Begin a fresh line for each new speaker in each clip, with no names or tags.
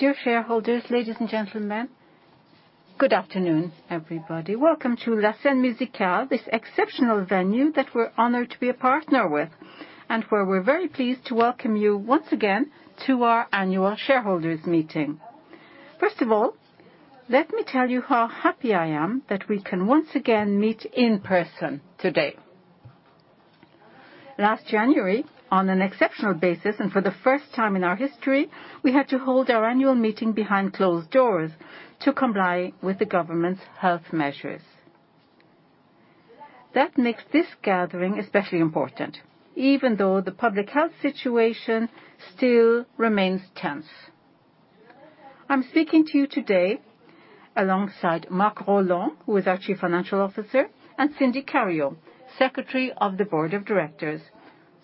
Dear shareholders, we had to hold our annual meeting behind closed doors to comply with the government's health measures. that makes this gathering especially important, even though the public health situation still remains tense. i'm speaking to you today alongside Marc Rolland, is our chief financial officer, and Cindy Cario, secretary of the board of directors,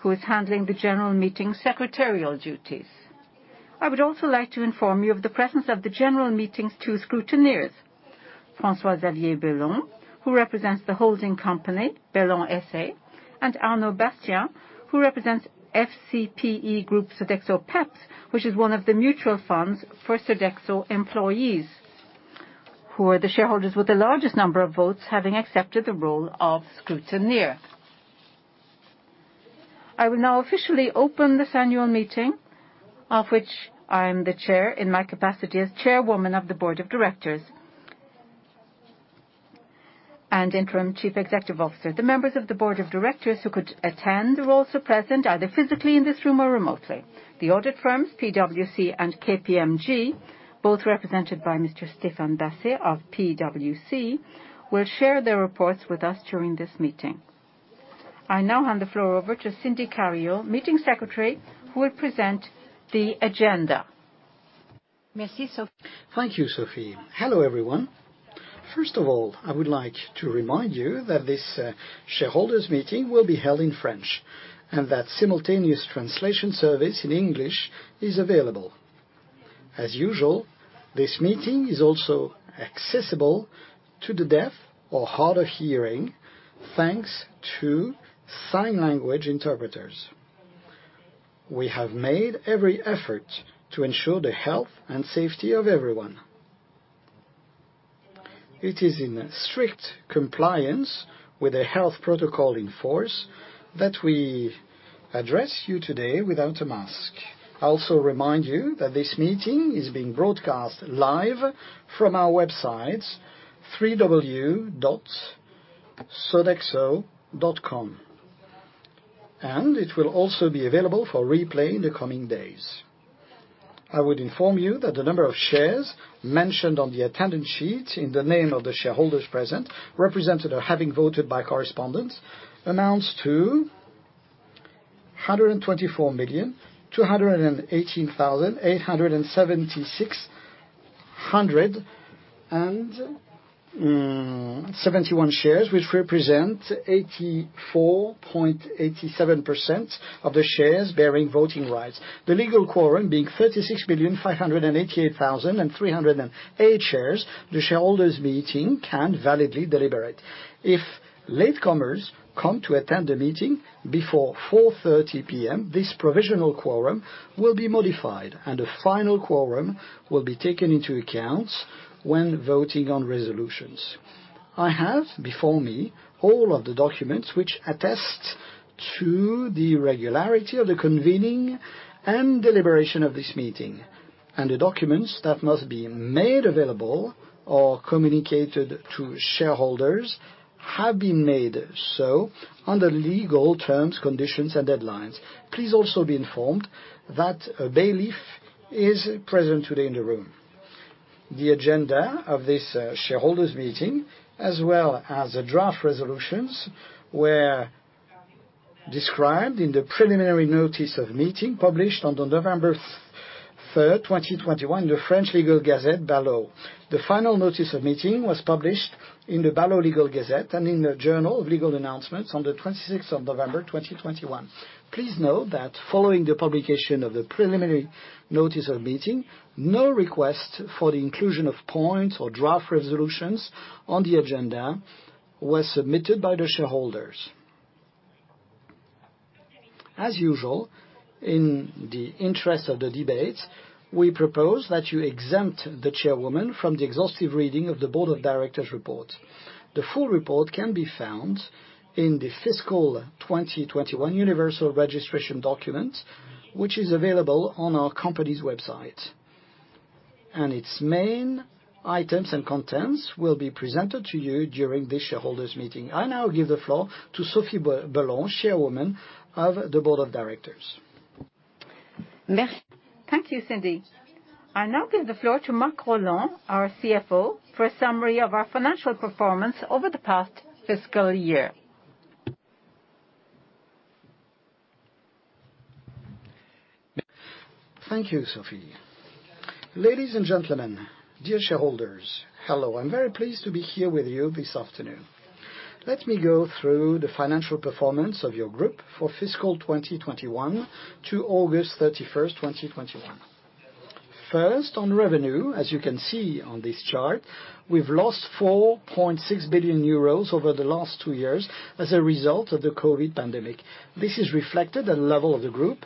who is handling the general meeting's secretarial duties. I would also like to inform you of the presence of the general meeting's two scrutineers, François-Xavier Bellon, who represents the holding company, Bellon SA, and Arnaud Bastien, who represents FCPE Groupe Sodexo PEE/PERCO, which is one of the mutual funds for Sodexo employees, who are the shareholders with the largest number of votes having accepted the role of scrutineer. I will now officially open this annual meeting, of which I am the chair in my capacity as Chairwoman of the Board of Directors and Interim Chief Executive Officer. The members of the board of directors who could attend are also present, either physically in this room or remotely. The audit firms, PwC and KPMG, both represented by Mr. Stéphane Bassetto of PwC, will share their reports with us during this meeting. I now hand the floor over to Cindy Cario, Meeting Secretary, who will present the agenda.
Thank you, Sophie. Hello, everyone. First of all, I would like to remind you that this shareholders meeting will be held in French and that simultaneous translation service in English is available. As usual, this meeting is also accessible to the deaf or hard of hearing, thanks to sign language interpreters. We have made every effort to ensure the health and safety of everyone. It is in strict compliance with the health protocol in force that we address you today without a mask. I also remind you that this meeting is being broadcast live from our website, www.sodexo.com, and it will also be available for replay in the coming days. I would inform you that the number of shares mentioned on the attendance sheet in the name of the shareholders present, represented or having voted by correspondence, amounts to 124,218,876 shares, which represent 84.87% of the shares bearing voting rights. The legal quorum being 36,588,308 shares, the shareholders meeting can validly deliberate. If latecomers attend the meeting before 4:30 P.M., this provisional quorum will be modified and a final quorum will be taken into account when voting on resolutions. I have before me all of the documents which attest to the regularity of the convening and deliberation of this meeting, and the documents that must be made available or communicated to shareholders have been made so under legal terms, conditions, and deadlines. Please also be informed that a bailiff is present today in the room. The agenda of this shareholders meeting as well as the draft resolutions were described in the preliminary notice of meeting published on November 3, 2021, in the French legal gazette, BALO. The final notice of meeting was published in the BALO legal gazette and in the Journal of Legal Announcements on November 26, 2021. Please note that following the publication of the preliminary notice of meeting, no requests for the inclusion of items or draft resolutions on the agenda were submitted by shareholders. As usual, in the interest of the debate, we propose that you exempt the Chairwoman from the exhaustive reading of the Board of Directors report. The full report can be found in the fiscal 2021 universal registration document, which is available on our company's website. Its main items and contents will be presented to you during this shareholders meeting. I now give the floor to Sophie Bellon, Chairwoman of the Board of Directors.
Thank you, Cindy. I now give the floor to Marc Rolland, our CFO, for a summary of our financial performance over the past fiscal year.
Thank you, Sophie. Ladies and gentlemen, dear shareholders, hello. I'm very pleased to be here with you this afternoon. Let me go through the financial performance of your group for fiscal 2021 ended August 31, 2021. First, on revenue, as you can see on this chart, we've lost 4.6 billion euros over the last two years as a result of the COVID pandemic. This is reflected at the group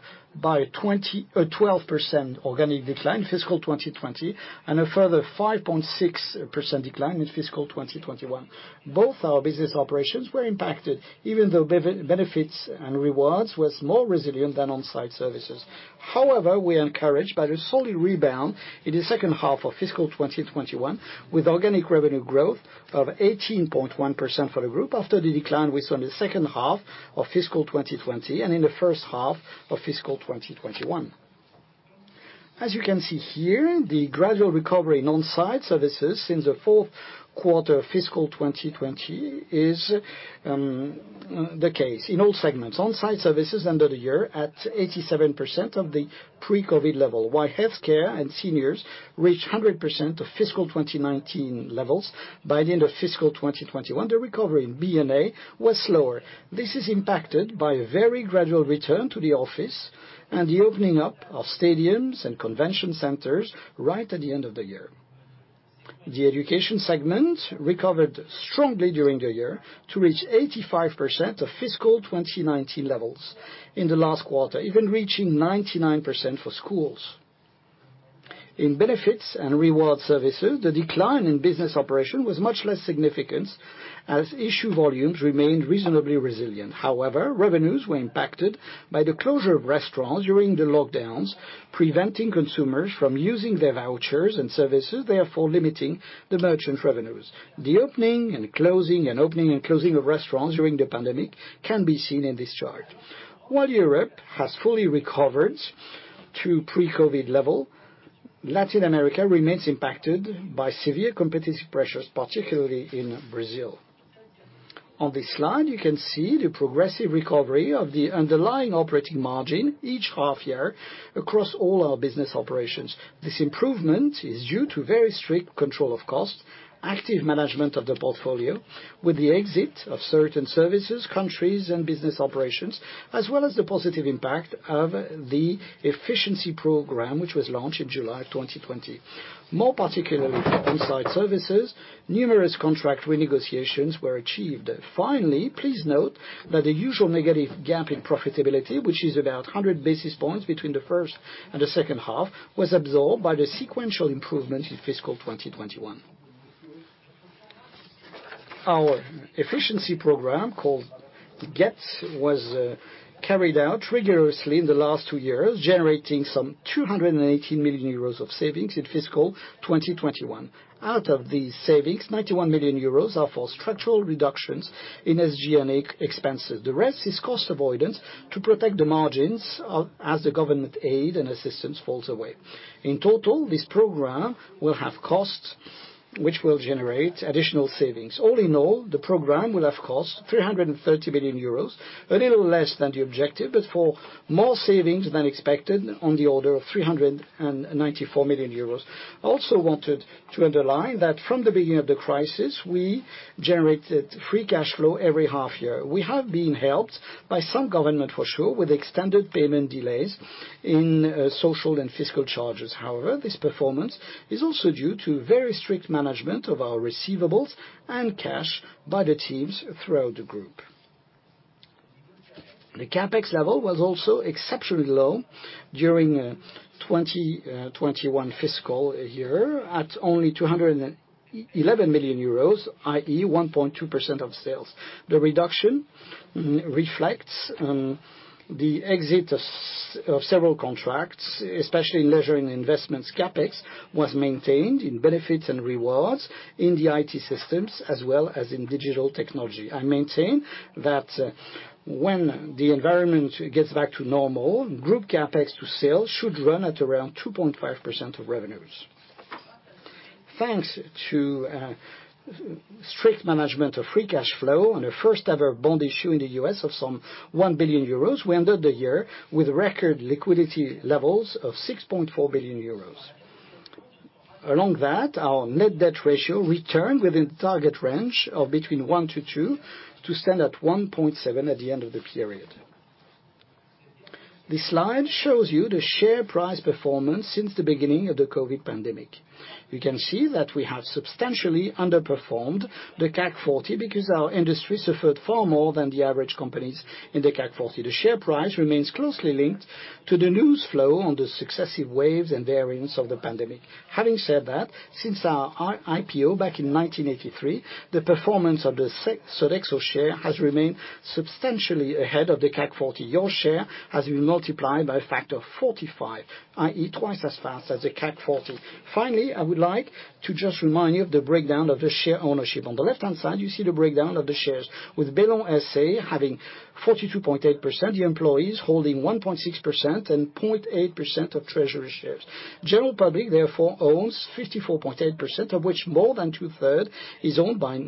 level by 12% organic decline fiscal 2020, and a further 5.6% decline in fiscal 2021. Both our business operations were impacted, even though benefits and rewards was more resilient than on-site services.
However, we are encouraged by the solid rebound in the second half of fiscal 2021, with organic revenue growth of 18.1% for the group after the decline we saw in the second half of fiscal 2020 and in the first half of fiscal 2021. As you can see here, the gradual recovery in on-site services since the fourth quarter of fiscal 2020 is the case. In all segments, on-site services ended the year at 87% of the pre-COVID level, while healthcare and seniors reached 100% of fiscal 2019 levels by the end of fiscal 2021. The recovery in B&I was slower. This is impacted by a very gradual return to the office and the opening up of stadiums and convention centers right at the end of the year. The education segment recovered strongly during the year to reach 85% of fiscal 2019 levels in the last quarter, even reaching 99% for schools. In benefits and reward services, the decline in business operation was much less significant as issue volumes remained reasonably resilient. However, revenues were impacted by the closure of restaurants during the lockdowns, preventing consumers from using their vouchers and services, therefore limiting the merchants' revenues. The opening and closing of restaurants during the pandemic can be seen in this chart. While Europe has fully recovered to pre-COVID-19 level, Latin America remains impacted by severe competitive pressures, particularly in Brazil. On this slide, you can see the progressive recovery of the underlying operating margin each half year across all our business operations. This improvement is due to very strict control of cost, active management of the portfolio, with the exit of certain services, countries, and business operations, as well as the positive impact of the efficiency program, which was launched in July of 2020. More particularly for on-site services, numerous contract renegotiations were achieved. Finally, please note that the usual negative gap in profitability, which is about 100 basis points between the first and the second half, was absorbed by the sequential improvement in fiscal 2021. Our efficiency program, called GET, was carried out rigorously in the last two years, generating some 218 million euros of savings in fiscal 2021. Out of these savings, 91 million euros are for structural reductions in SG&A expenses. The rest is cost avoidance to protect the margins, as the government aid and assistance falls away. In total, this program will have costs which will generate additional savings. All in all, the program will have cost 330 million euros, a little less than the objective, but for more savings than expected on the order of 394 million euros. I also wanted to underline that from the beginning of the crisis, we generated free cash flow every half year. We have been helped by some government, for sure, with extended payment delays in social and fiscal charges. However, this performance is also due to very strict management of our receivables and cash by the teams throughout the group. The CapEx level was also exceptionally low during 2021 fiscal year at only 211 million euros, i.e., 1.2% of sales. The reduction reflects the exit of several contracts, especially in leisure and investments. CapEx was maintained in benefits and rewards in the IT systems as well as in digital technology. I maintain that when the environment gets back to normal, group CapEx to sales should run at around 2.5% of revenues. Thanks to strict management of free cash flow and a first-ever bond issue in the U.S. of some 1 billion euros, we ended the year with record liquidity levels of 6.4 billion euros. Along that, our net debt ratio returned within target range of between 1-2, to stand at 1.7 at the end of the period. This slide shows you the share price performance since the beginning of the COVID pandemic. You can see that we have substantially underperformed the CAC 40 because our industry suffered far more than the average companies in the CAC 40. The share price remains closely linked to the news flow on the successive waves and variants of the pandemic. Having said that, since our IPO back in 1983, the performance of the Sodexo share has remained substantially ahead of the CAC 40. Your share has been multiplied by a factor of 45, i.e., twice as fast as the CAC 40. Finally, I would like to just remind you of the breakdown of the share ownership. On the left-hand side, you see the breakdown of the shares, with Bellon SA having 42.8%, the employees holding 1.6%, and 0.8% of treasury shares. general public therefore owns 54.8%, of which more than two-thirds is owned by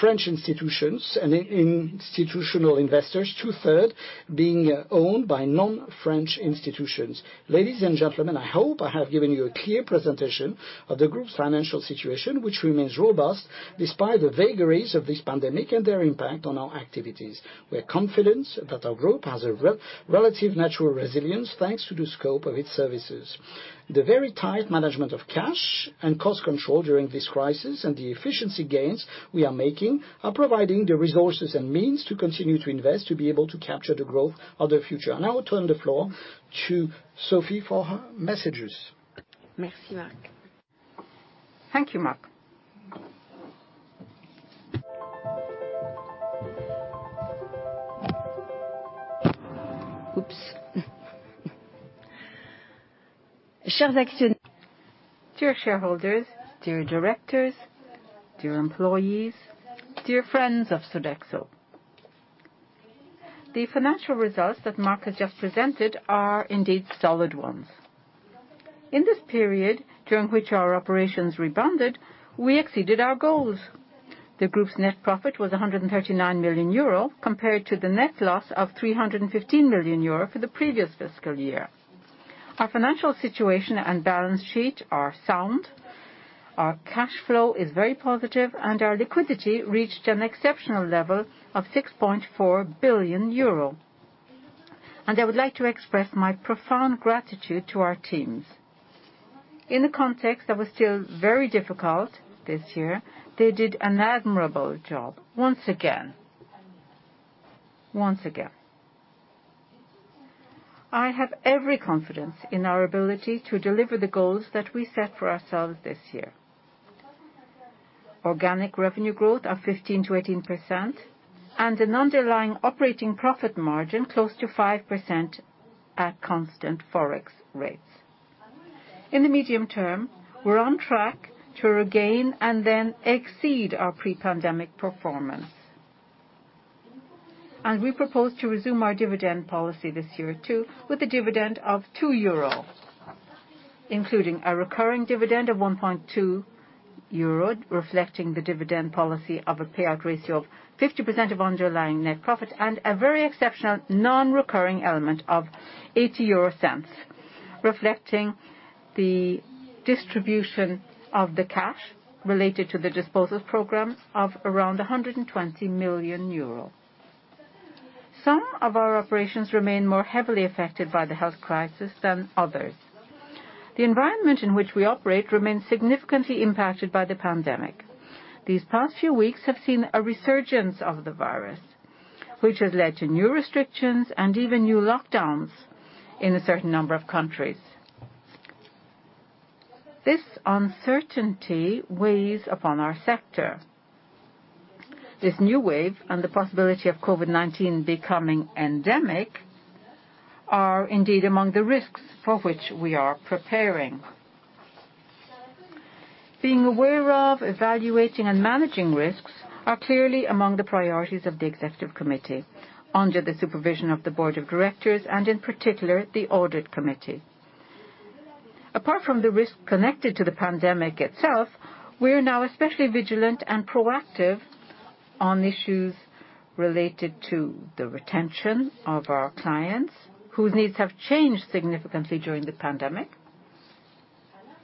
French institutions and institutional investors, two-thirds being owned by non-French institutions. Ladies and gentlemen, I hope I have given you a clear presentation of the group's financial situation, which remains robust despite the vagaries of this pandemic and their impact on our activities. We are confident that our group has a relative natural resilience thanks to the scope of its services. The very tight management of cash and cost control during this crisis and the efficiency gains we are making are providing the resources and means to continue to invest, to be able to capture the growth of the future. I now turn the floor to Sophie for her messages.
Merci, Marc. Thank you, Marc. Oops. Dear shareholders, dear directors, dear employees, dear friends of Sodexo. The financial results that Marc has just presented are indeed solid ones. In this period, during which our operations rebounded, we exceeded our goals. The group's net profit was 139 million euro, compared to the net loss of 315 million euro for the previous fiscal year. Our financial situation and balance sheet are sound, our cash flow is very positive, and our liquidity reached an exceptional level of 6.4 billion euro. I would like to express my profound gratitude to our teams. In a context that was still very difficult this year, they did an admirable job once again. I have every confidence in our ability to deliver the goals that we set for ourselves this year. Organic revenue growth of 15%-18%, and an underlying operating profit margin close to 5% at constant Forex rates. In the medium term, we're on track to regain and then exceed our pre-pandemic performance. We propose to resume our dividend policy this year too, with a dividend of 2 euro, including a recurring dividend of 1.2 euro, reflecting the dividend policy of a payout ratio of 50% of underlying net profit, and a very exceptional non-recurring element of 0.80, reflecting the distribution of the cash related to the disposals program of around 120 million euro. Some of our operations remain more heavily affected by the health crisis than others. The environment in which we operate remains significantly impacted by the pandemic. These past few weeks have seen a resurgence of the virus, which has led to new restrictions and even new lockdowns in a certain number of countries. This uncertainty weighs upon our sector. This new wave and the possibility of COVID-19 becoming endemic are indeed among the risks for which we are preparing. Being aware of, evaluating, and managing risks are clearly among the priorities of the Executive Committee, under the supervision of the Board of Directors and in particular the Audit Committee. Apart from the risk connected to the pandemic itself, we are now especially vigilant and proactive on issues related to the retention of our clients, whose needs have changed significantly during the pandemic.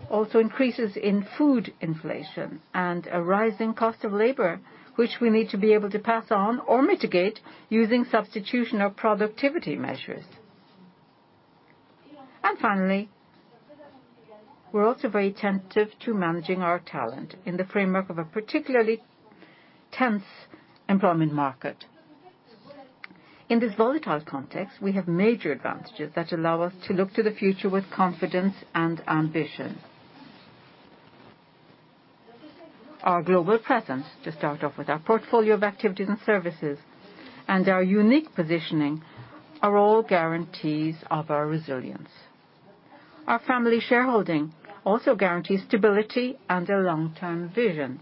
Also, increases in food inflation and a rise in the cost of labor, which we need to be able to pass on or mitigate using substitution or productivity measures. Finally, we're also very attentive to managing our talent in the framework of a particularly tense employment market. In this volatile context, we have major advantages that allow us to look to the future with confidence and ambition. Our global presence, to start off with, our portfolio of activities and services, and our unique positioning are all guarantees of our resilience. Our family shareholding also guarantees stability and a long-term vision.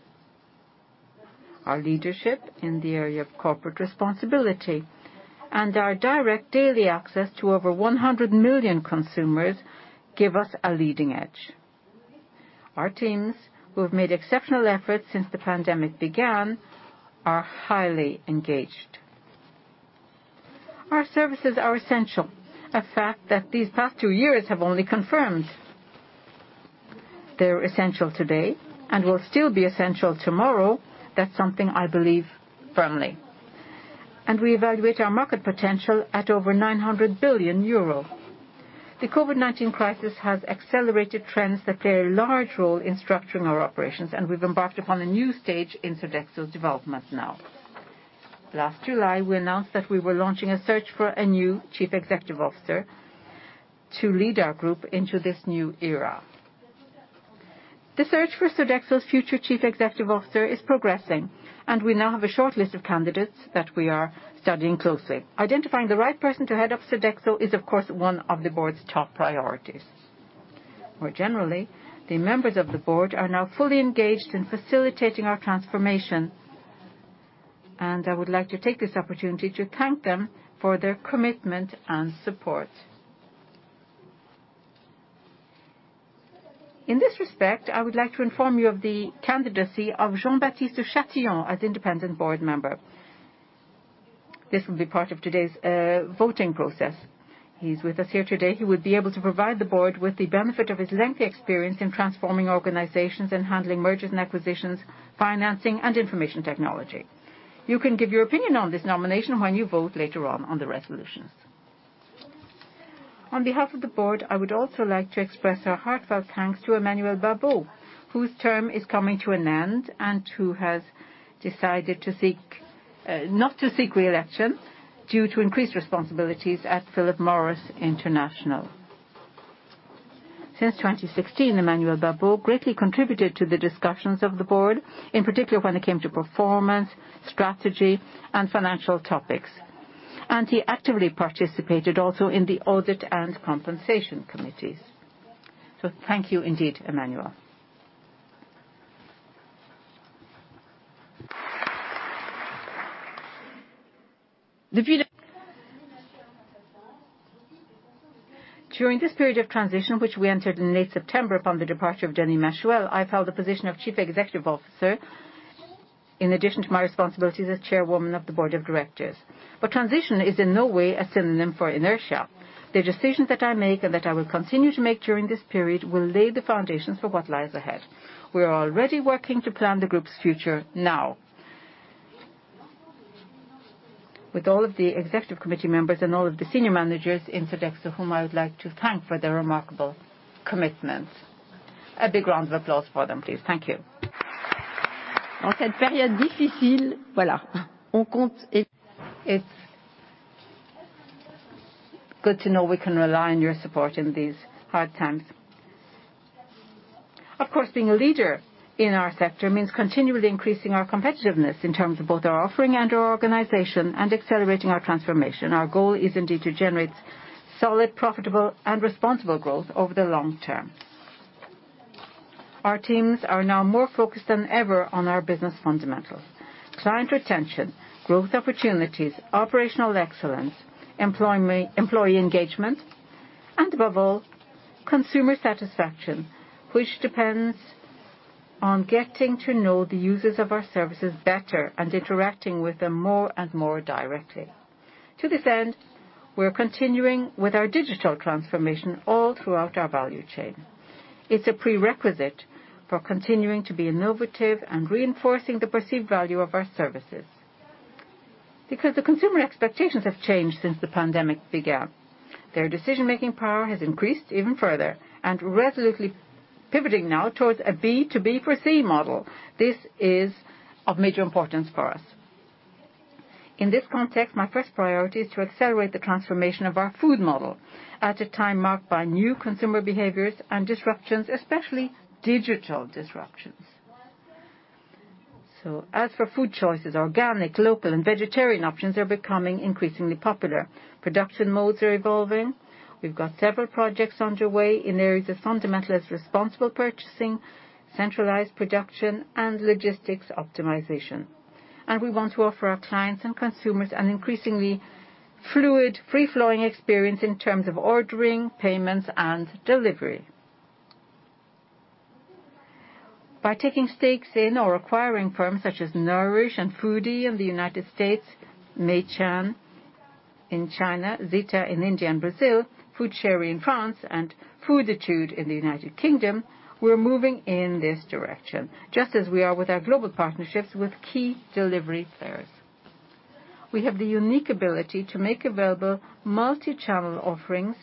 Our leadership in the area of corporate responsibility and our direct daily access to over 100 million consumers give us a leading edge. Our teams, who have made exceptional efforts since the pandemic began, are highly engaged. Our services are essential, a fact that these past two years have only confirmed. They're essential today, and will still be essential tomorrow. That's something I believe firmly. We evaluate our market potential at over 900 billion euro. The COVID-19 crisis has accelerated trends that play a large role in structuring our operations, and we've embarked upon a new stage in Sodexo's development now. Last July, we announced that we were launching a search for a new chief executive officer to lead our group into this new era. The search for Sodexo's future chief executive officer is progressing, and we now have a short list of candidates that we are studying closely. Identifying the right person to head up Sodexo is of course one of the board's top priorities. More generally, the members of the board are now fully engaged in facilitating our transformation, and I would like to take this opportunity to thank them for their commitment and support. In this respect, I would like to inform you of the candidacy of Jean-Baptiste Chasseloup de Chatillon as independent board member. This will be part of today's voting process. He's with us here today. He would be able to provide the board with the benefit of his lengthy experience in transforming organizations and handling mergers and acquisitions, financing, and information technology. You can give your opinion on this nomination when you vote later on on the resolutions. On behalf of the board, I would also like to express our heartfelt thanks to Emmanuel Babeau, whose term is coming to an end and who has decided to seek, not to seek re-election due to increased responsibilities at Philip Morris International. Since 2016, Emmanuel Babeau greatly contributed to the discussions of the board, in particular when it came to performance, strategy, and financial topics. He actively participated also in the audit and compensation committees. Thank you indeed, Emmanuel. During this period of transition, which we entered in late September upon the departure of Denis Machuel, I've held the position of Chief Executive Officer, in addition to my responsibilities as Chairwoman of the Board of Directors. Transition is in no way a synonym for inertia. The decisions that I make and that I will continue to make during this period will lay the foundations for what lies ahead. We are already working to plan the group's future now with all of the executive committee members and all of the senior managers in Sodexo, whom I would like to thank for their remarkable commitment. A big round of applause for them, please. Thank you. It's good to know we can rely on your support in these hard times. Of course, being a leader in our sector means continually increasing our competitiveness in terms of both our offering and our organization and accelerating our transformation. Our goal is indeed to generate solid, profitable, and responsible growth over the long term. Our teams are now more focused than ever on our business fundamentals, client retention, growth opportunities, operational excellence, employee engagement, and above all, consumer satisfaction, which depends on getting to know the users of our services better and interacting with them more and more directly. To this end, we're continuing with our digital transformation all throughout our value chain. It's a prerequisite for continuing to be innovative and reinforcing the perceived value of our services. Because the consumer expectations have changed since the pandemic began. Their decision-making power has increased even further and resolutely pivoting now towards a B2B4C model. This is of major importance for us. In this context, my first priority is to accelerate the transformation of our food model at a time marked by new consumer behaviors and disruptions, especially digital disruptions. As for food choices, organic, local, and vegetarian options are becoming increasingly popular. Production modes are evolving. We've got several projects underway in areas as fundamental as responsible purchasing, centralized production, and logistics optimization. We want to offer our clients and consumers an increasingly fluid, free-flowing experience in terms of ordering, payments, and delivery. By taking stakes in or acquiring firms such as Nourish Inc. And Food-ee in the United States, Meican in China, Zeta in India and Brazil, FoodChéri in France, and Fooditude in the United Kingdom, we're moving in this direction, just as we are with our global partnerships with key delivery players. We have the unique ability to make available multi-channel offerings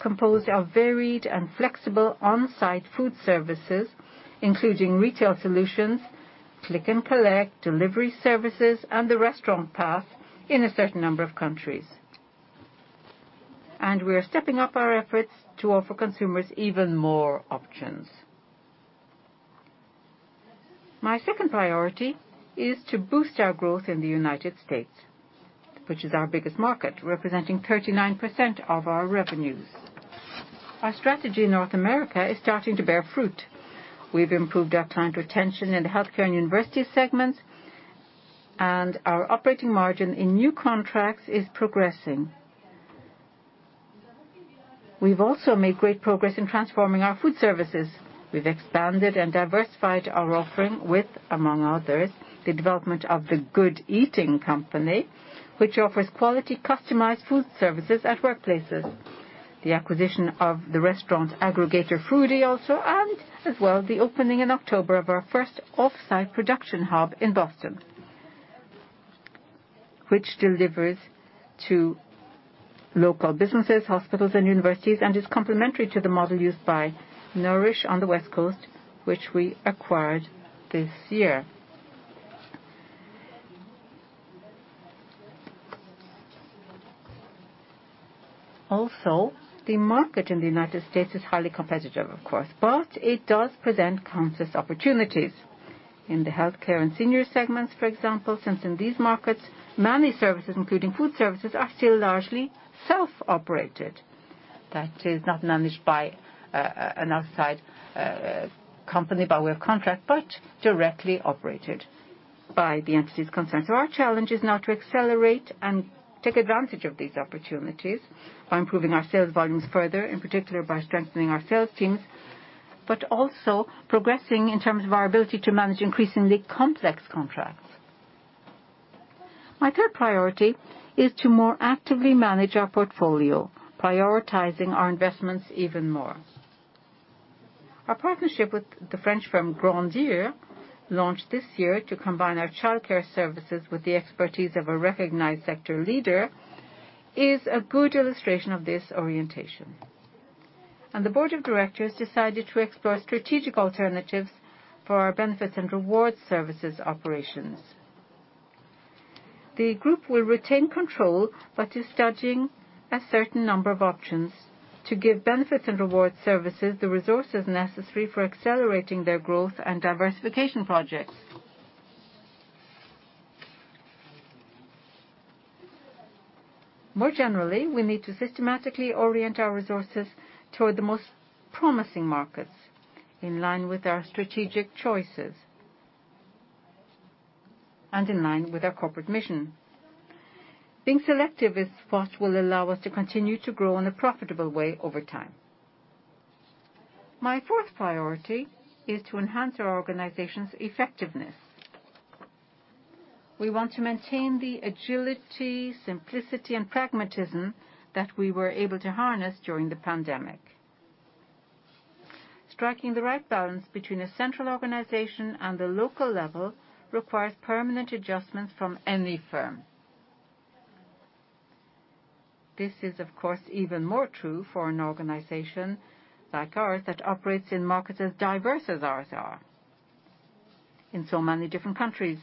composed of varied and flexible on-site food services, including retail solutions, click and collect, delivery services, and the restaurant path in a certain number of countries. We are stepping up our efforts to offer consumers even more options. My second priority is to boost our growth in the United States, which is our biggest market, representing 39% of our revenues. Our strategy in North America is starting to bear fruit. We've improved our client retention in the healthcare and university segments, and our operating margin in new contracts is progressing. We've also made great progress in transforming our food services. We've expanded and diversified our offering with, among others, the development of the Good Eating Company, which offers quality customized food services at workplaces. The acquisition of the restaurant aggregator Foodee also, and as well, the opening in October of our first off-site production hub in Boston, which delivers to local businesses, hospitals, and universities, and is complementary to the model used by Nourish on the West Coast, which we acquired this year. Also, the market in the United States is highly competitive, of course, but it does present countless opportunities. In the healthcare and senior segments, for example, since in these markets, many services, including food services, are still largely self-operated. That is not managed by an outside company by way of contract, but directly operated by the entities concerned. Our challenge is now to accelerate and take advantage of these opportunities by improving our sales volumes further, in particular by strengthening our sales teams, but also progressing in terms of our ability to manage increasingly complex contracts. My third priority is to more actively manage our portfolio, prioritizing our investments even more. Our partnership with the French firm Grandir, launched this year to combine our childcare services with the expertise of a recognized sector leader, is a good illustration of this orientation. The board of directors decided to explore strategic alternatives for our benefits and rewards services operations. The group will retain control, but is studying a certain number of options to give benefits and rewards services the resources necessary for accelerating their growth and diversification projects. More generally, we need to systematically orient our resources toward the most promising markets, in line with our strategic choices. In line with our corporate mission. Being selective is what will allow us to continue to grow in a profitable way over time. My fourth priority is to enhance our organization's effectiveness. We want to maintain the agility, simplicity and pragmatism that we were able to harness during the pandemic. Striking the right balance between a central organization and a local level requires permanent adjustments from any firm. This is, of course, even more true for an organization like ours that operates in markets as diverse as ours are, in so many different countries.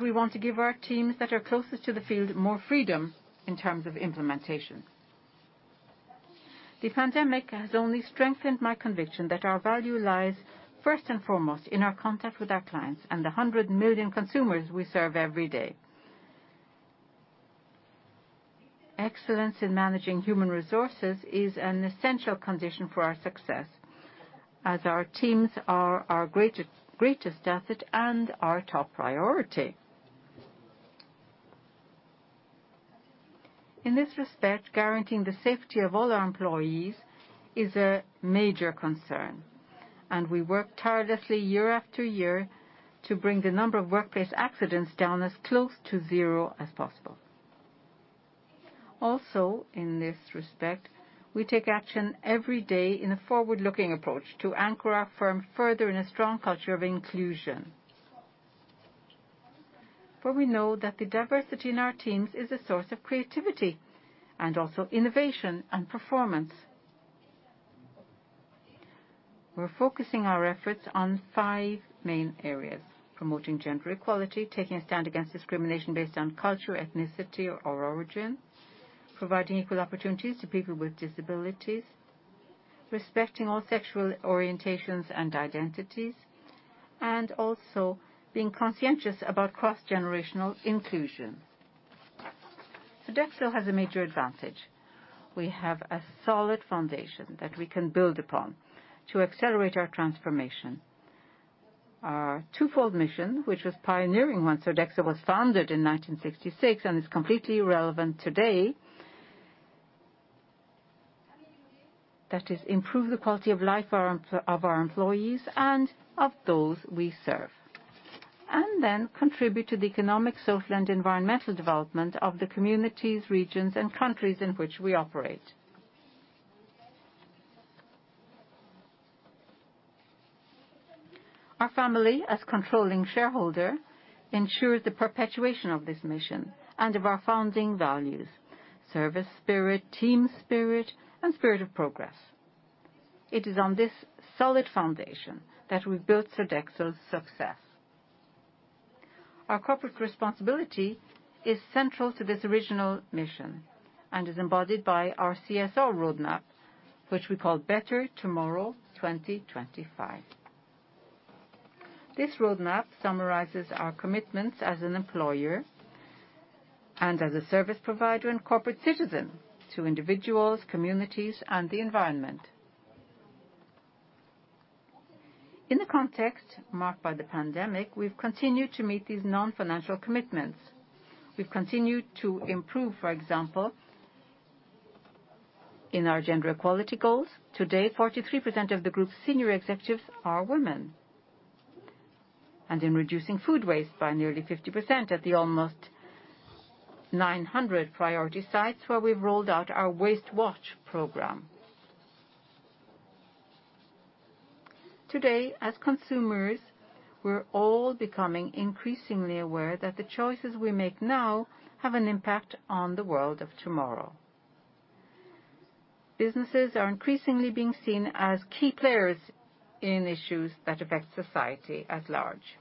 We want to give our teams that are closest to the field more freedom in terms of implementation. The pandemic has only strengthened my conviction that our value lies first and foremost in our contact with our clients and the 100 million consumers we serve every day. Excellence in managing human resources is an essential condition for our success, as our teams are our greatest asset and our top priority. In this respect, guaranteeing the safety of all our employees is a major concern, and we work tirelessly year after year to bring the number of workplace accidents down as close to zero as possible. Also, in this respect, we take action every day in a forward-looking approach to anchor our firm further in a strong culture of inclusion. For we know that the diversity in our teams is a source of creativity and also innovation and performance. We're focusing our efforts on five main areas, promoting gender equality, taking a stand against discrimination based on culture, ethnicity, or origin, providing equal opportunities to people with disabilities, respecting all sexual orientations and identities, and also being conscientious about cross-generational inclusion. Sodexo has a major advantage. We have a solid foundation that we can build upon to accelerate our transformation. Our twofold mission, which was pioneering when Sodexo was founded in 1966 and is completely relevant today. That is, improve the quality of life of our employees and of those we serve. Contribute to the economic, social, and environmental development of the communities, regions, and countries in which we operate. Our family, as controlling shareholder, ensures the perpetuation of this mission and of our founding values: service spirit, team spirit, and spirit of progress. It is on this solid foundation that we've built Sodexo's success. Our corporate responsibility is central to this original mission and is embodied by our CSR roadmap, which we call Better Tomorrow 2025. This roadmap summarizes our commitments as an employer and as a service provider and corporate citizen to individuals, communities, and the environment. In the context marked by the pandemic, we've continued to meet these non-financial commitments. We've continued to improve, for example, in our gender equality goals, today 43% of the group's senior executives are women, and in reducing food waste by nearly 50% at the almost 900 priority sites where we've rolled out our WasteWatch program. Today, as consumers, we're all becoming increasingly aware that the choices we make now have an impact on the world of tomorrow. Businesses are increasingly being seen as key players in issues that affect society at large.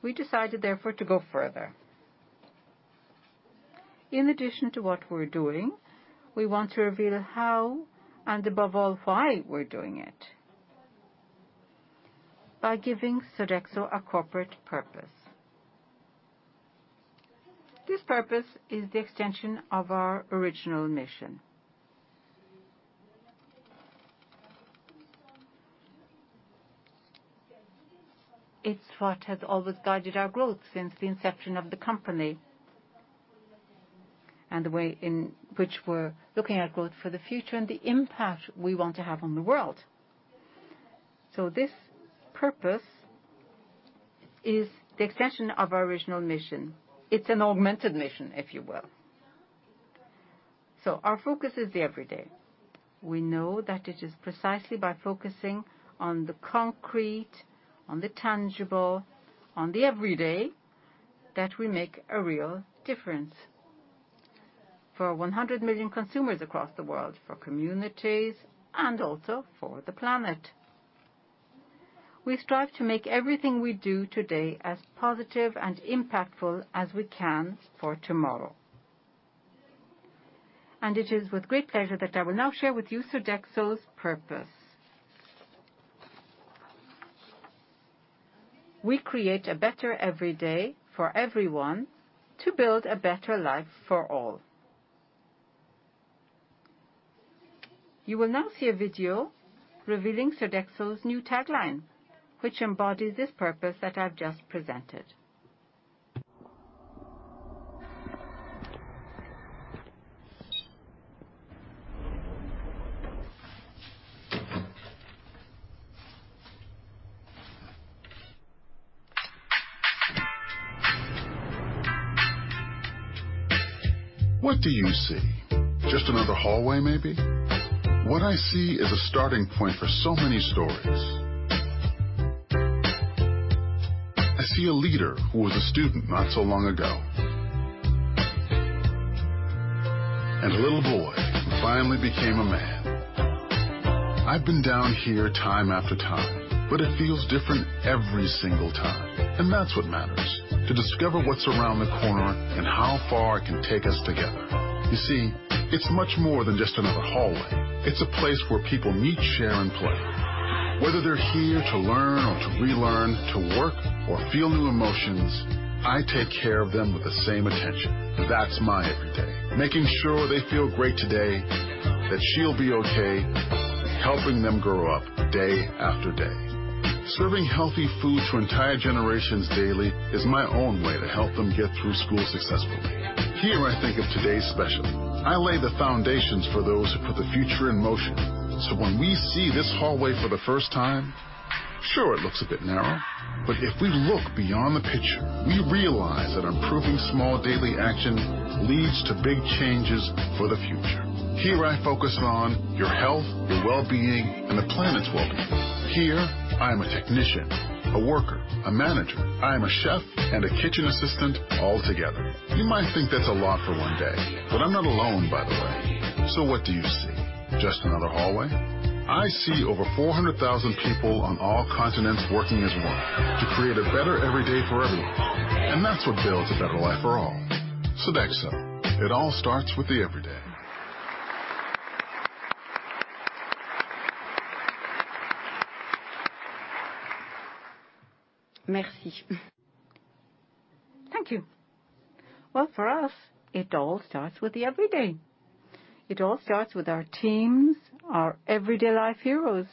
We decided, therefore, to go further. In addition to what we're doing, we want to reveal how and above all why we're doing it by giving Sodexo a corporate purpose. This purpose is the extension of our original mission. It's what has always guided our growth since the inception of the company, and the way in which we're looking at growth for the future and the impact we want to have on the world. This purpose is the extension of our original mission. It's an augmented mission, if you will. Our focus is the everyday. We know that it is precisely by focusing on the concrete, on the tangible, on the everyday, that we make a real difference for 100 million consumers across the world, for communities, and also for the planet. We strive to make everything we do today as positive and impactful as we can for tomorrow. It is with great pleasure that I will now share with you Sodexo's purpose. We create a better everyday for everyone to build a better life for all. You will now see a video revealing Sodexo's new tagline, which embodies this purpose that I've just presented.
What do you see? Just another hallway, maybe. What I see is a starting point for so many stories. I see a leader who was a student not so long ago. A little boy who finally became a man. I've been down here time after time, but it feels different every single time, and that's what matters. To discover what's around the corner and how far it can take us together. You see, it's much more than just another hallway. It's a place where people meet, share, and play. Whether they're here to learn or to relearn, to work or feel new emotions, I take care of them with the same attention. That's my every day, making sure they feel great today, that she'll be okay, helping them grow up day after day. Serving healthy food to entire generations daily is my own way to help them get through school successfully. Here, I think of today's special. I lay the foundations for those who put the future in motion. When we see this hallway for the first time, sure, it looks a bit narrow. If we look beyond the picture, we realize that improving small daily action leads to big changes for the future. Here, I focus on your health, your well-being, and the planet's well-being. Here, I'm a technician, a worker, a manager. I'm a chef and a kitchen assistant all together. You might think that's a lot for one day, but I'm not alone, by the way. What do you see? Just another hallway? I see over 400,000 people on all continents working as one to create a better everyday for everyone, and that's what builds a better life for all. Sodexo, it all starts with the everyday.
Merci. Thank you. Well, for us, it all starts with the everyday. It all starts with our teams, our everyday life heroes,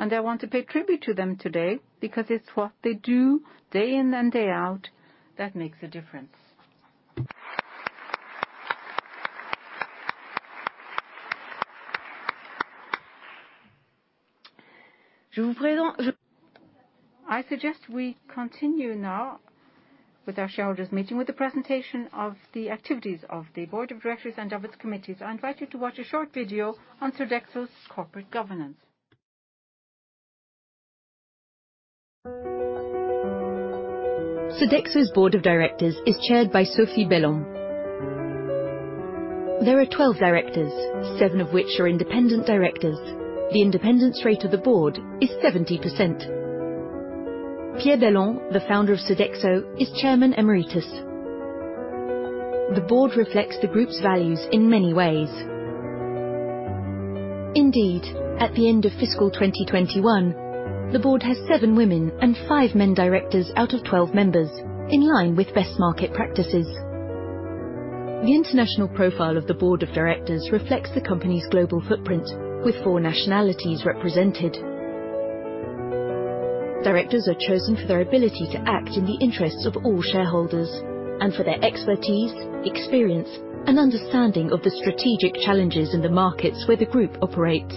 and I want to pay tribute to them today because it's what they do day in and day out that makes a difference. I suggest we continue now with our shareholders' meeting with the presentation of the activities of the Board of Directors and Audit Committees. I invite you to watch a short video on Sodexo's corporate governance.
Sodexo's board of directors is chaired by Sophie Bellon. There are 12 directors, seven of which are independent directors. The independence rate of the board is 70%. Pierre Bellon, the founder of Sodexo, is Chairman Emeritus. The board reflects the group's values in many ways. Indeed, at the end of fiscal 2021, the board has seven women and five men directors out of 12 members, in line with best market practices. The international profile of the board of directors reflects the company's global footprint with 4 nationalities represented. Directors are chosen for their ability to act in the interests of all shareholders and for their expertise, experience, and understanding of the strategic challenges in the markets where the group operates.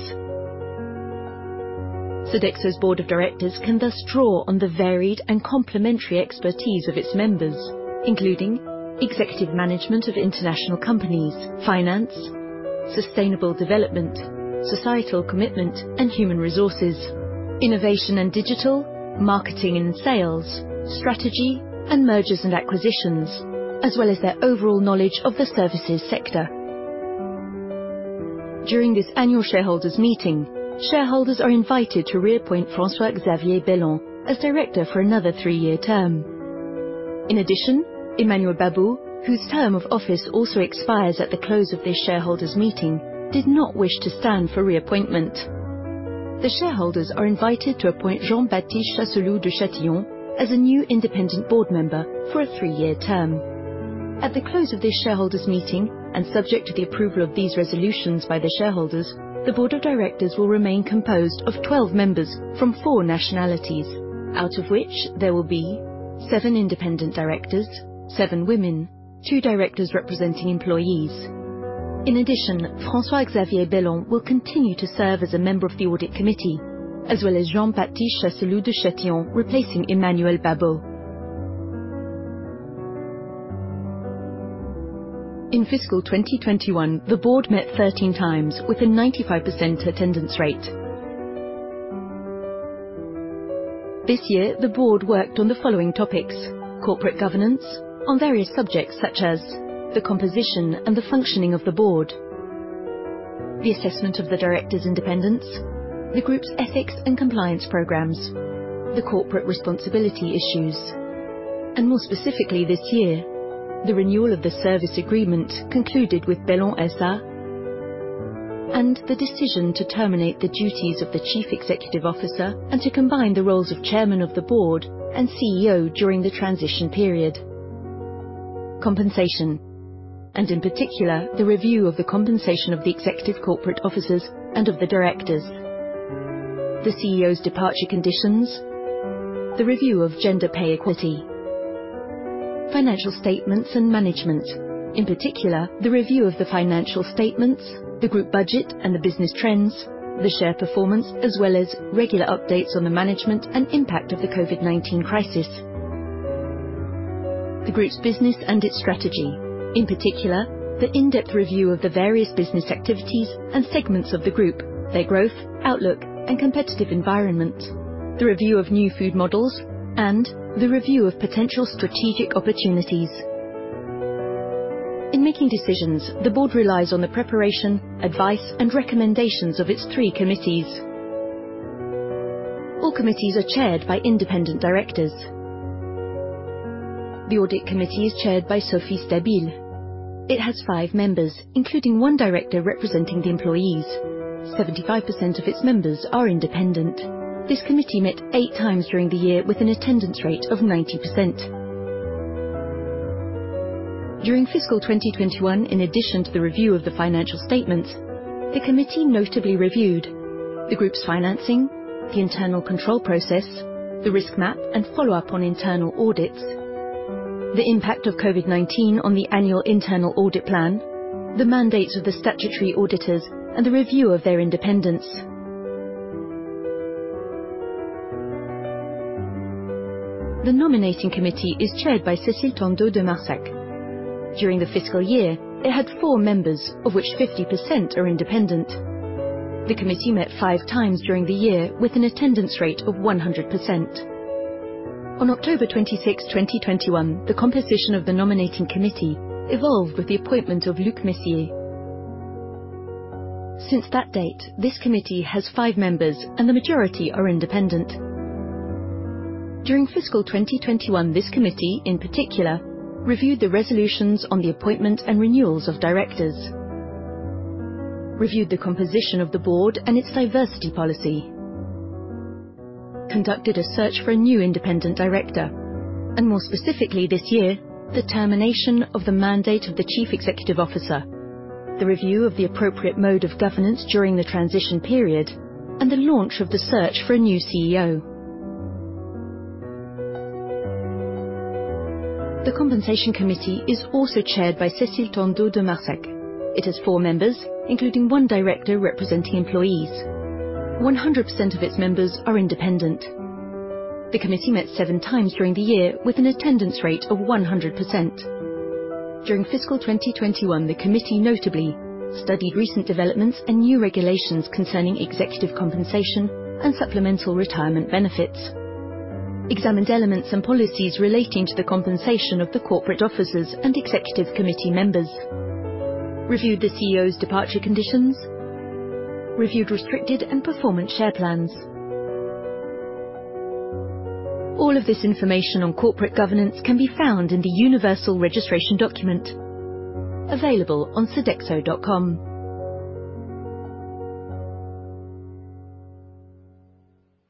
Sodexo's board of directors can thus draw on the varied and complementary expertise of its members, including executive management of international companies, finance, sustainable development, societal commitment, and human resources, innovation and digital, marketing and sales, strategy, and mergers and acquisitions, as well as their overall knowledge of the services sector. During this annual shareholders meeting, shareholders are invited to reappoint François-Xavier Bellon as director for another three-year term. In addition, Emmanuel Babeau, whose term of office also expires at the close of this shareholders meeting, did not wish to stand for reappointment. The shareholders are invited to appoint Jean-Baptiste Chasseloup de Chatillon as a new independent board member for a three-year term. At the close of this shareholders meeting, and subject to the approval of these resolutions by the shareholders, the Board of Directors will remain composed of 12 members from 4 nationalities, out of which there will be 7 independent directors, 7 women, 2 directors representing employees. In addition, François-Xavier Bellon will continue to serve as a member of the Audit Committee, as well as Jean-Baptiste Chasseloup de Chatillon, replacing Emmanuel Babeau. In fiscal 2021, the Board met 13 times with a 95% attendance rate. This year, the Board worked on the following topics, corporate governance on various subjects such as the composition and the functioning of the Board, the assessment of the directors' independence, the Group's ethics and compliance programs, the corporate responsibility issues. More specifically this year, the renewal of the service agreement concluded with Bellon SA and the decision to terminate the duties of the Chief Executive Officer and to combine the roles of Chairman of the Board and CEO during the transition period. Compensation, and in particular, the review of the compensation of the executive corporate officers and of the directors, the CEO's departure conditions, the review of gender pay equity, financial statements, and management. In particular, the review of the financial statements, the group budget, and the business trends, the share performance, as well as regular updates on the management and impact of the COVID-19 crisis. The group's business and its strategy, in particular, the in-depth review of the various business activities and segments of the group, their growth, outlook, and competitive environment, the review of new food models and the review of potential strategic opportunities. In making decisions, the board relies on the preparation, advice, and recommendations of its three committees. All committees are chaired by independent directors. The Audit Committee is chaired by Sophie Stabile. It has five members, including one director representing the employees. 75% of its members are independent. This committee met eight times during the year with an attendance rate of 90%. During fiscal 2021, in addition to the review of the financial statements, the committee notably reviewed the group's financing, the internal control process, the risk map, and follow-up on internal audits, the impact of COVID-19 on the annual internal audit plan, the mandates of the statutory auditors, and the review of their independence. The Nominating Committee is chaired by Cécile Tandeau de Marsac. During the fiscal year, it had four members, of which 50% are independent. The committee met 5 times during the year with an attendance rate of 100%. On October 26, 2021, the composition of the Nominating Committee evolved with the appointment of Luc Messier. Since that date, this committee has 5 members, and the majority are independent. During fiscal 2021, this committee, in particular, reviewed the resolutions on the appointment and renewals of directors, reviewed the composition of the board and its diversity policy, conducted a search for a new independent director, and more specifically this year, the termination of the mandate of the Chief Executive Officer, the review of the appropriate mode of governance during the transition period, and the launch of the search for a new CEO. The Compensation Committee is also chaired by Cécile Tandeau de Marsac. It has 4 members, including one director representing employees. 100% of its members are independent. The committee met seven times during the year with an attendance rate of 100%. During fiscal 2021, the committee notably studied recent developments and new regulations concerning executive compensation and supplemental retirement benefits, examined elements and policies relating to the compensation of the corporate officers and executive committee members, reviewed the CEO's departure conditions, reviewed restricted and performance share plans. All of this information on corporate governance can be found in the universal registration document available on sodexo.com.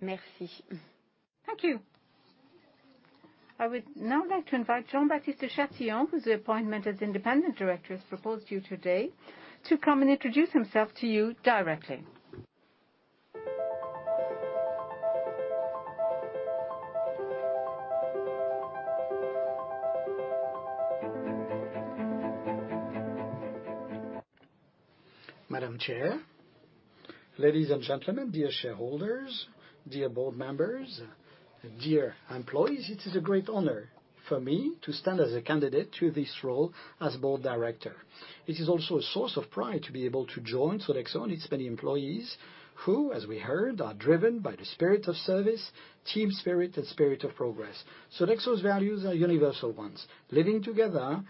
Merci. Thank you. I would now like to invite Jean-Baptiste Chasseloup de Chatillon, whose appointment as independent director is proposed to you today, to come and introduce himself to you directly.
Madam Chair, ladies and gentlemen, dear shareholders, dear board members, dear employees. It is a great honor for me to stand as a candidate to this role as board director. It is also a source of pride to be able to join Sodexo and its many employees who, as we heard, are driven by the spirit of service, team spirit, and spirit of progress. Sodexo's values are universal ones, living together,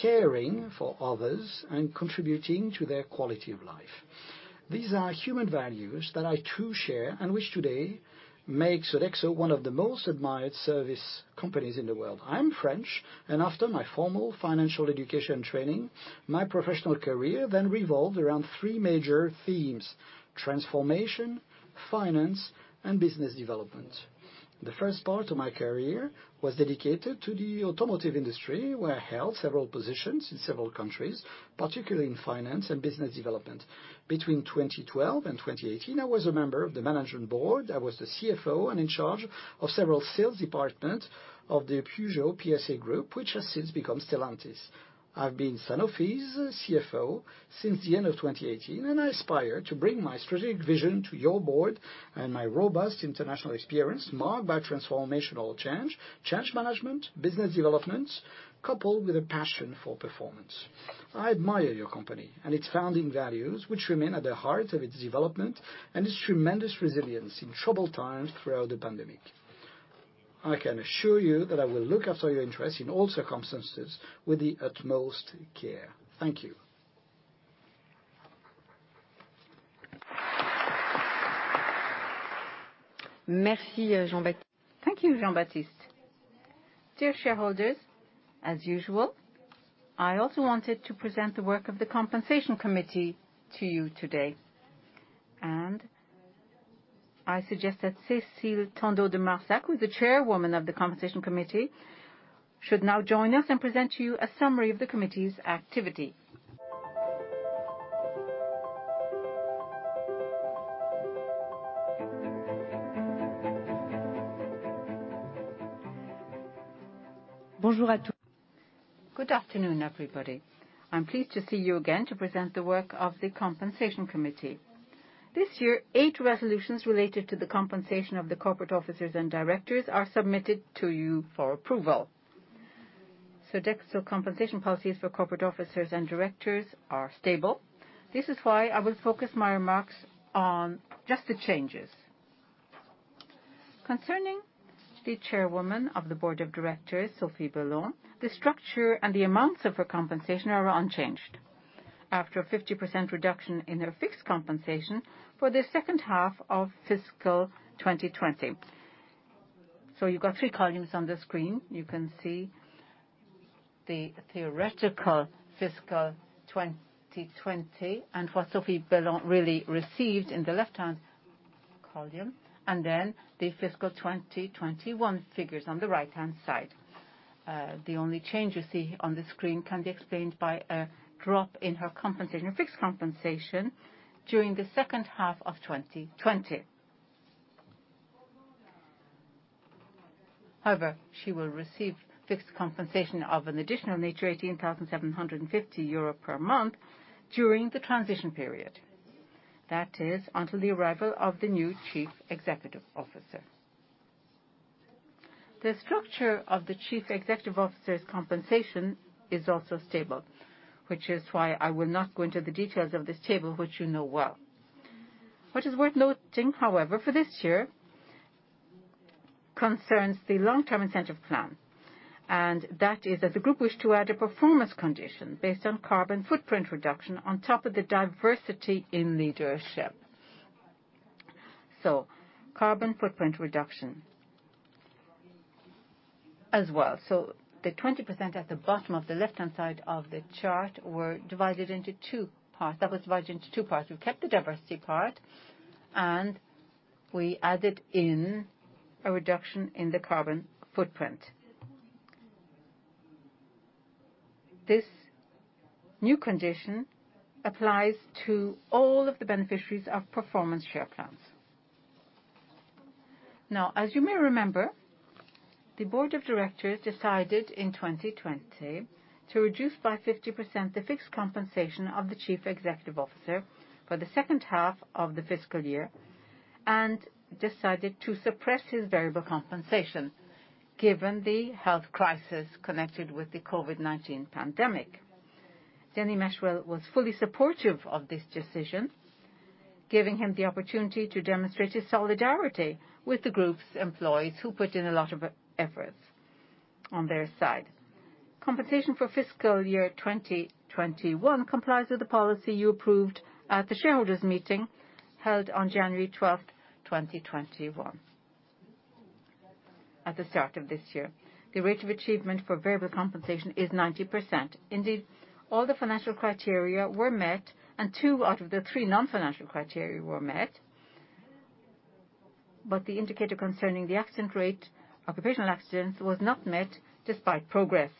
caring for others, and contributing to their quality of life. These are human values that I too share and which today makes Sodexo one of the most admired service companies in the world. I'm French, and after my formal financial education training, my professional career then revolved around three major themes, transformation, finance, and business development. The first part of my career was dedicated to the automotive industry, where I held several positions in several countries, particularly in finance and business development. Between 2012 and 2018, I was a member of the management board. I was the CFO and in charge of several sales department of the PSA Group, which has since become Stellantis. I've been Sanofi's CFO since the end of 2018, and I aspire to bring my strategic vision to your board and my robust international experience marked by transformational change management, business development, coupled with a passion for performance. I admire your company and its founding values, which remain at the heart of its development and its tremendous resilience in troubled times throughout the pandemic. I can assure you that I will look after your interests in all circumstances with the utmost care. Thank you. Merci, Jean-Bapt-
Thank you, Jean-Baptiste. Dear shareholders, as usual, I also wanted to present the work of the Compensation Committee to you today. I suggest that Cécile Tandeau de Marsac, who is the Chairwoman of the Compensation Committee, should now join us and present to you a summary of the committee's activity. [Foreign language: Bonjour à tous.] Good afternoon, everybody. I'm pleased to see you again to present the work of the Compensation Committee. This year, eight resolutions related to the compensation of the corporate officers and directors are submitted to you for approval. Sodexo compensation policies for corporate officers and directors are stable. This is why I will focus my remarks on just the changes. Concerning the Chairwoman of the Board of Directors, Sophie Bellon, the structure and the amounts of her compensation are unchanged after a 50% reduction in her fixed compensation for the second half of fiscal 2020.
You've got three columns on the screen. You can see the theoretical fiscal 2020 and what Sophie Bellon really received in the left-hand column, and then the fiscal 2021 figures on the right-hand side. The only change you see on the screen can be explained by a drop in her compensation, fixed compensation during the second half of 2020. However, she will receive fixed compensation of an additional nature, 18,750 euro per month, during the transition period. That is, until the arrival of the new Chief Executive Officer. The structure of the Chief Executive Officer's compensation is also stable, which is why I will not go into the details of this table which you know well. What is worth noting, however, for this year, concerns the long-term incentive plan, and that is that the group wished to add a performance condition based on carbon footprint reduction on top of the diversity in leadership. Carbon footprint reduction as well. The 20% at the bottom of the left-hand side of the chart were divided into two parts. We kept the diversity part and we added in a reduction in the carbon footprint. This new condition applies to all of the beneficiaries of performance share plans. Now, as you may remember, the Board of Directors decided in 2020 to reduce by 50% the fixed compensation of the Chief Executive Officer for the second half of the fiscal year and decided to suppress his variable compensation, given the health crisis connected with the COVID-19 pandemic. Denis Machuel was fully supportive of this decision, giving him the opportunity to demonstrate his solidarity with the group's employees who put in a lot of efforts on their side. Compensation for fiscal year 2021 complies with the policy you approved at the shareholders meeting held on January 12, 2021, at the start of this year. The rate of achievement for variable compensation is 90%. Indeed, all the financial criteria were met and 2 out of the 3 non-financial criteria were met. The indicator concerning the accident rate, occupational accidents, was not met despite progress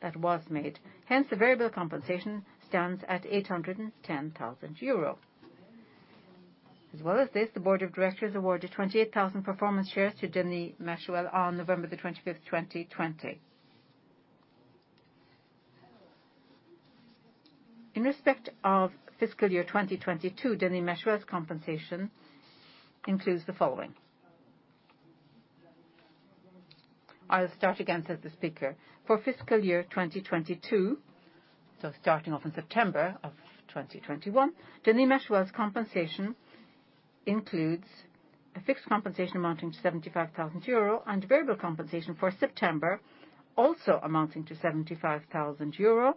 that was made. Hence, the variable compensation stands at 810,000 euro. As well as this, the board of directors awarded 28,000 performance shares to Denis Machuel on November 25, 2020. In respect of fiscal year 2022, Denis Machuel's compensation includes the following. For fiscal year 2022, so starting off in September of 2021, Denis Machuel's compensation includes a fixed compensation amounting to 75,000 euro and variable compensation for September, also amounting to 75,000 euro.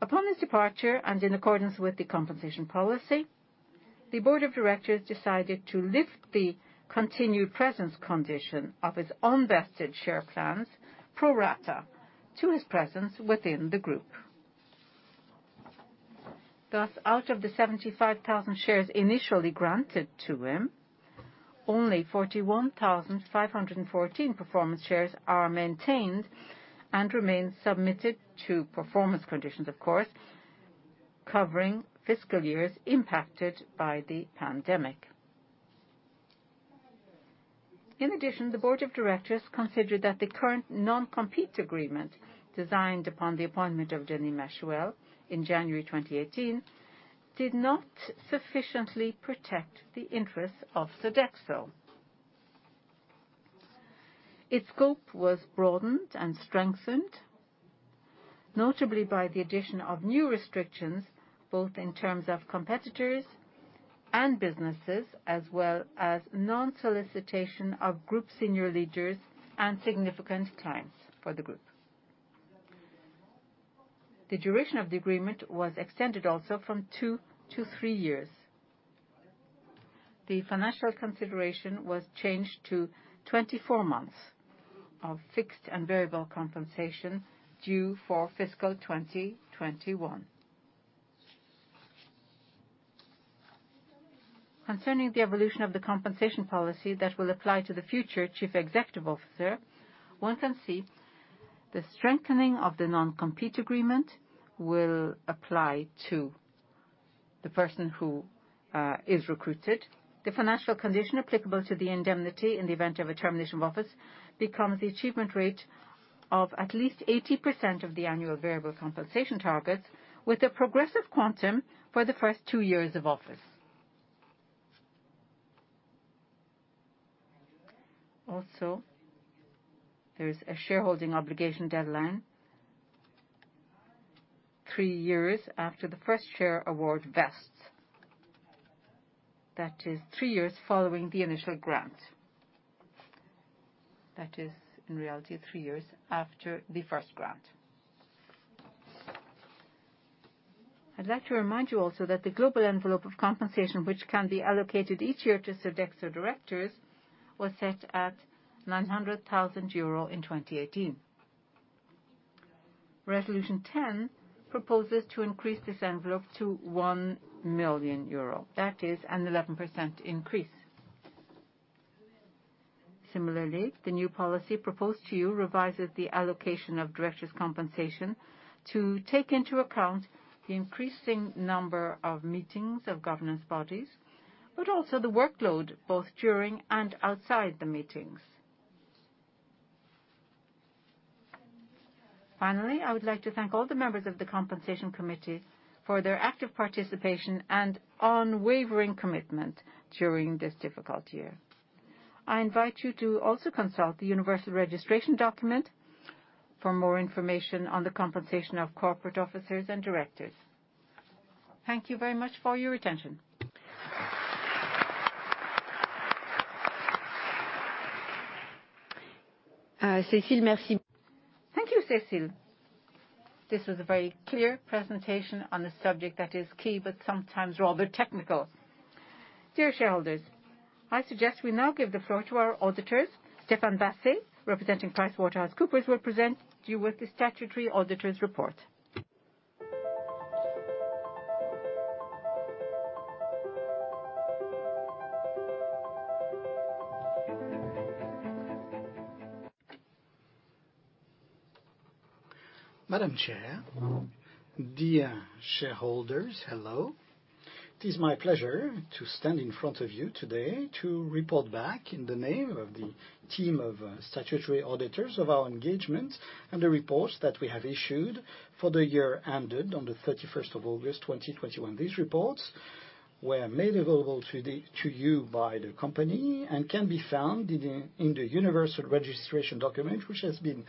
Upon his departure, and in accordance with the compensation policy, the board of directors decided to lift the continued presence condition of his unvested share plans pro rata to his presence within the group. Thus, out of the 75,000 shares initially granted to him, only 41,514 performance shares are maintained and remain submitted to performance conditions, of course, covering fiscal years impacted by the pandemic. In addition, the board of directors considered that the current non-compete agreement, designed upon the appointment of Denis Machuel in January 2018, did not sufficiently protect the interests of Sodexo. Its scope was broadened and strengthened, notably by the addition of new restrictions, both in terms of competitors and businesses, as well as non-solicitation of group senior leaders and significant clients for the group. The duration of the agreement was extended also from 2 to 3 years. The financial consideration was changed to 24 months of fixed and variable compensation due for fiscal 2021. Concerning the evolution of the compensation policy that will apply to the future chief executive officer, one can see the strengthening of the non-compete agreement will apply to the person who is recruited. The financial condition applicable to the indemnity in the event of a termination of office becomes the achievement rate of at least 80% of the annual variable compensation targets with a progressive quantum for the first 2 years of office. Also, there is a shareholding obligation deadline 3 years after the first share award vests. That is 3 years following the initial grant. That is, in reality, 3 years after the first grant. I'd like to remind you also that the global envelope of compensation which can be allocated each year to Sodexo directors was set at 900 thousand euro in 2018. Resolution 10 proposes to increase this envelope to 1 million euro. That is an 11% increase. Similarly, the new policy proposed to you revises the allocation of directors' compensation to take into account the increasing number of meetings of governance bodies, but also the workload both during and outside the meetings. Finally, I would like to thank all the members of the Compensation Committee for their active participation and unwavering commitment during this difficult year. I invite you to also consult the universal registration document for more information on the compensation of corporate officers and directors. Thank you very much for your attention. Cécile, merci. Thank you, Cécile. This was a very clear presentation on a subject that is key but sometimes rather technical. Dear shareholders, I suggest we now give the floor to our auditors. Stéphane Basset, representing PricewaterhouseCoopers, will present you with the statutory auditor's report.
Madame Chair, dear shareholders, hello. It is my pleasure to stand in front of you today to report back in the name of the team of statutory auditors of our engagement and the reports that we have issued for the year ended on the 31st of August 2021. These reports were made available to you by the company and can be found in the universal registration document which has been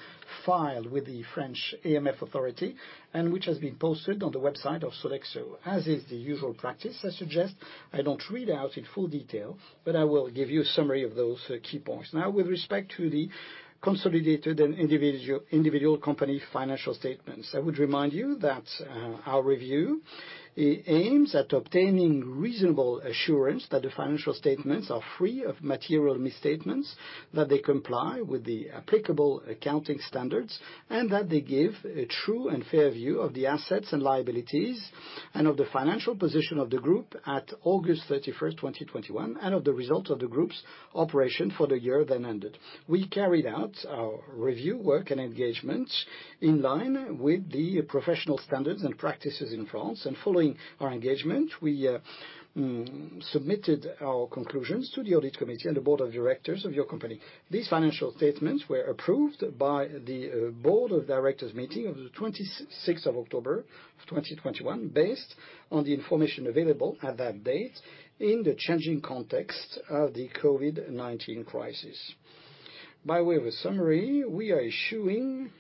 filed with the French AMF authority and which has been posted on the website of Sodexo. As is the usual practice, I suggest I don't read out in full detail, but I will give you a summary of those key points. Now, with respect to the consolidated and individual company financial statements, I would remind you that our review aims at obtaining reasonable assurance that the financial statements are free of material misstatements, that they comply with the applicable accounting standards, and that they give a true and fair view of the assets and liabilities and of the financial position of the group at August 31, 2021, and of the results of the group's operation for the year then ended. We carried out our review work and engagement in line with the professional standards and practices in France. Following our engagement, we submitted our conclusions to the audit committee and the board of directors of your company. These financial statements were approved by the board of directors meeting of 26 October 2021 based on the information available at that date in the changing context of the COVID-19 crisis. By way of a summary, we are issuing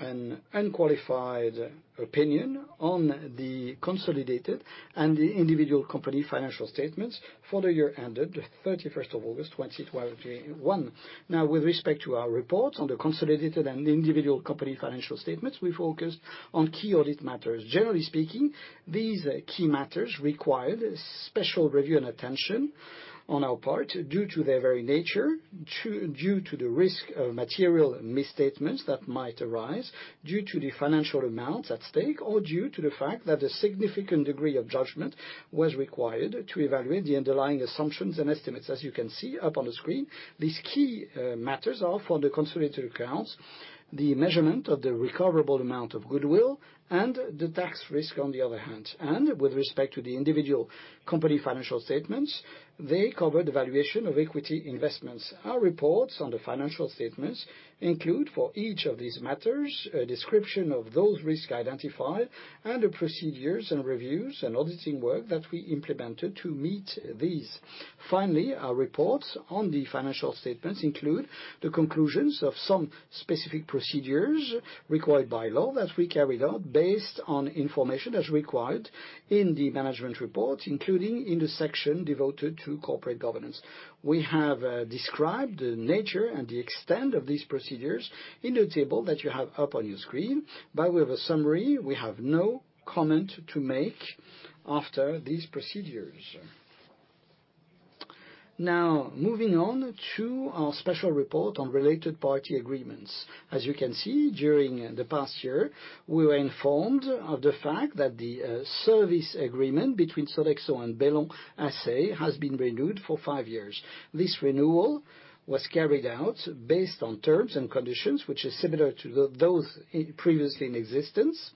an unqualified opinion on the consolidated and the individual company financial statements for the year ended 31 August 2021. Now, with respect to our report on the consolidated and the individual company financial statements, we focused on key audit matters. Generally speaking, these key matters required special review and attention on our part due to their very nature, due to the risk of material misstatements that might arise, due to the financial amounts at stake, or due to the fact that a significant degree of judgment was required to evaluate the underlying assumptions and estimates. As you can see up on the screen, these key matters are for the consolidated accounts, the measurement of the recoverable amount of goodwill and the tax risk on the other hand. With respect to the individual company financial statements, they cover the valuation of equity investments. Our reports on the financial statements include, for each of these matters, a description of those risks identified and the procedures and reviews and auditing work that we implemented to meet these. Finally, our reports on the financial statements include the conclusions of some specific procedures required by law that we carried out based on information as required in the management report, including in the section devoted to corporate governance. We have described the nature and the extent of these procedures in the table that you have up on your screen. By way of a summary, we have no comment to make after these procedures. Now, moving on to our special report on related party agreements. As you can see, during the past year, we were informed of the fact that the service agreement between Sodexo and Bellon SA has been renewed for 5 years. This renewal was carried out based on terms and conditions which is similar to those previously in existence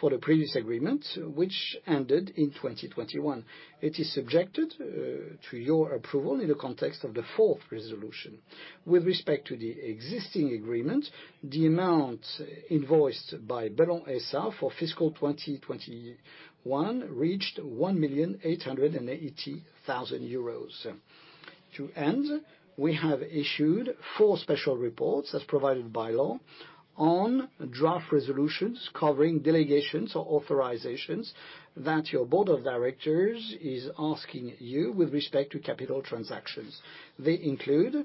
for the previous agreement which ended in 2021. It is subjected to your approval in the context of the fourth resolution. With respect to the existing agreement, the amount invoiced by Bellon SA for fiscal 2021 reached 1.88 million euros. To end, we have issued four special reports, as provided by law, on draft resolutions covering delegations or authorizations that your board of directors is asking you with respect to capital transactions. They include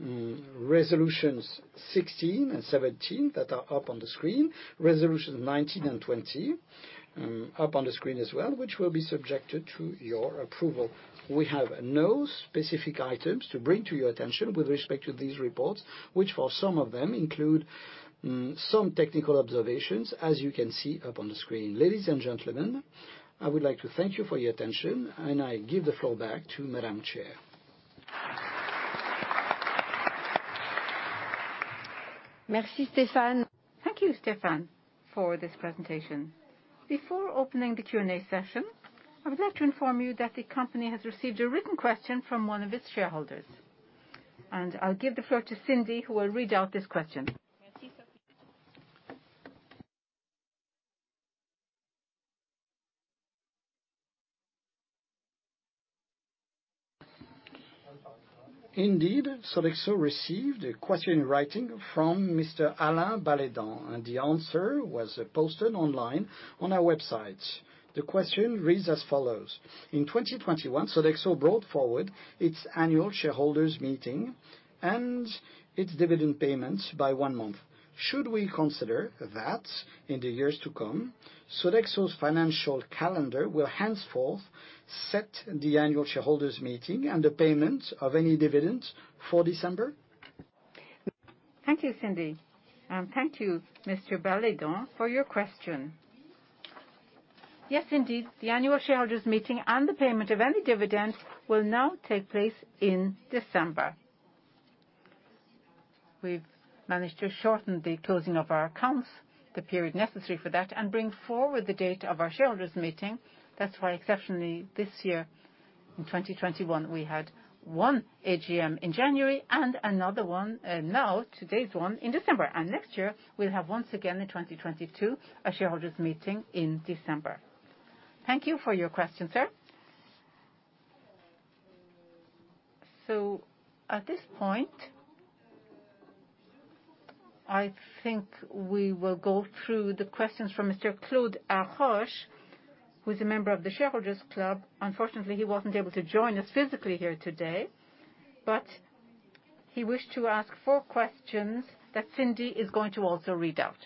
resolutions 16 and 17 that are up on the screen, resolutions 19 and 20 up on the screen as well, which will be subjected to your approval. We have no specific items to bring to your attention with respect to these reports, which, for some of them, include some technical observations, as you can see up on the screen. Ladies and gentlemen, I would like to thank you for your attention, and I give the floor back to Madame Chair.
Merci, Stéphane. Thank you, Stéphane, for this presentation. Before opening the Q&A session, I would like to inform you that the company has received a written question from one of its shareholders. I'll give the floor to Cindy, who will read out this question.
Indeed, Sodexo received a question in writing from Mr. Alain Balédan, and the answer was posted online on our website. The question reads as follows: In 2021, Sodexo brought forward its annual shareholders meeting and its dividend payments by 1 month. Should we consider that, in the years to come, Sodexo's financial calendar will henceforth set the annual shareholders meeting and the payment of any dividends for December?
Thank you, Cindy, and thank you, Mr. Balédan, for your question. Yes, indeed. The annual shareholders meeting and the payment of any dividends will now take place in December. We've managed to shorten the closing of our accounts, the period necessary for that, and bring forward the date of our shareholders meeting. That's why exceptionally this year, in 2021, we had one AGM in January and another one, now, today's one, in December. And next year we'll have once again in 2022 a shareholders meeting in December. Thank you for your question, sir. At this point, I think we will go through the questions from Mr. Claude Laruelle, who is a member of the Shareholders Club. Unfortunately, he wasn't able to join us physically here today, but he wished to ask four questions that Cindy is going to also read out.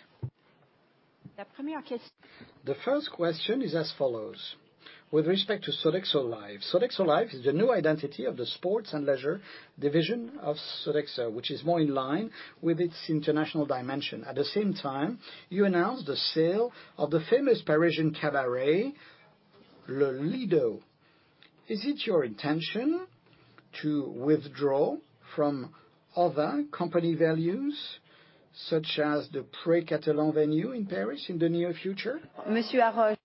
The first question is as follows: With respect to Sodexo Live!. Sodexo Live! is the new identity of the sports and leisure division of Sodexo, which is more in line with its international dimension. At the same time, you announced the sale of the famous Parisian cabaret, Le Lido. Is it your intention to withdraw from other company venues, such as the Pré Catelan venue in Paris in the near future?
Well,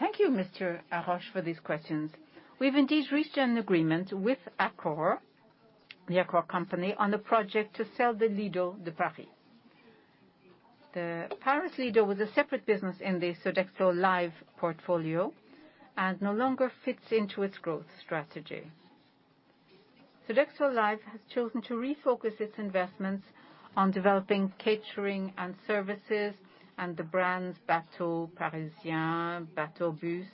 thank you, Mr. Laruelle, for these questions. We've indeed reached an agreement with Accor, the Accor company, on the project to sell the Lido de Paris. The Lido de Paris was a separate business in the Sodexo Live! portfolio and no longer fits into its growth strategy. Sodexo Live! has chosen to refocus its investments on developing catering and services and the brands Bateaux Parisiens, Batobus,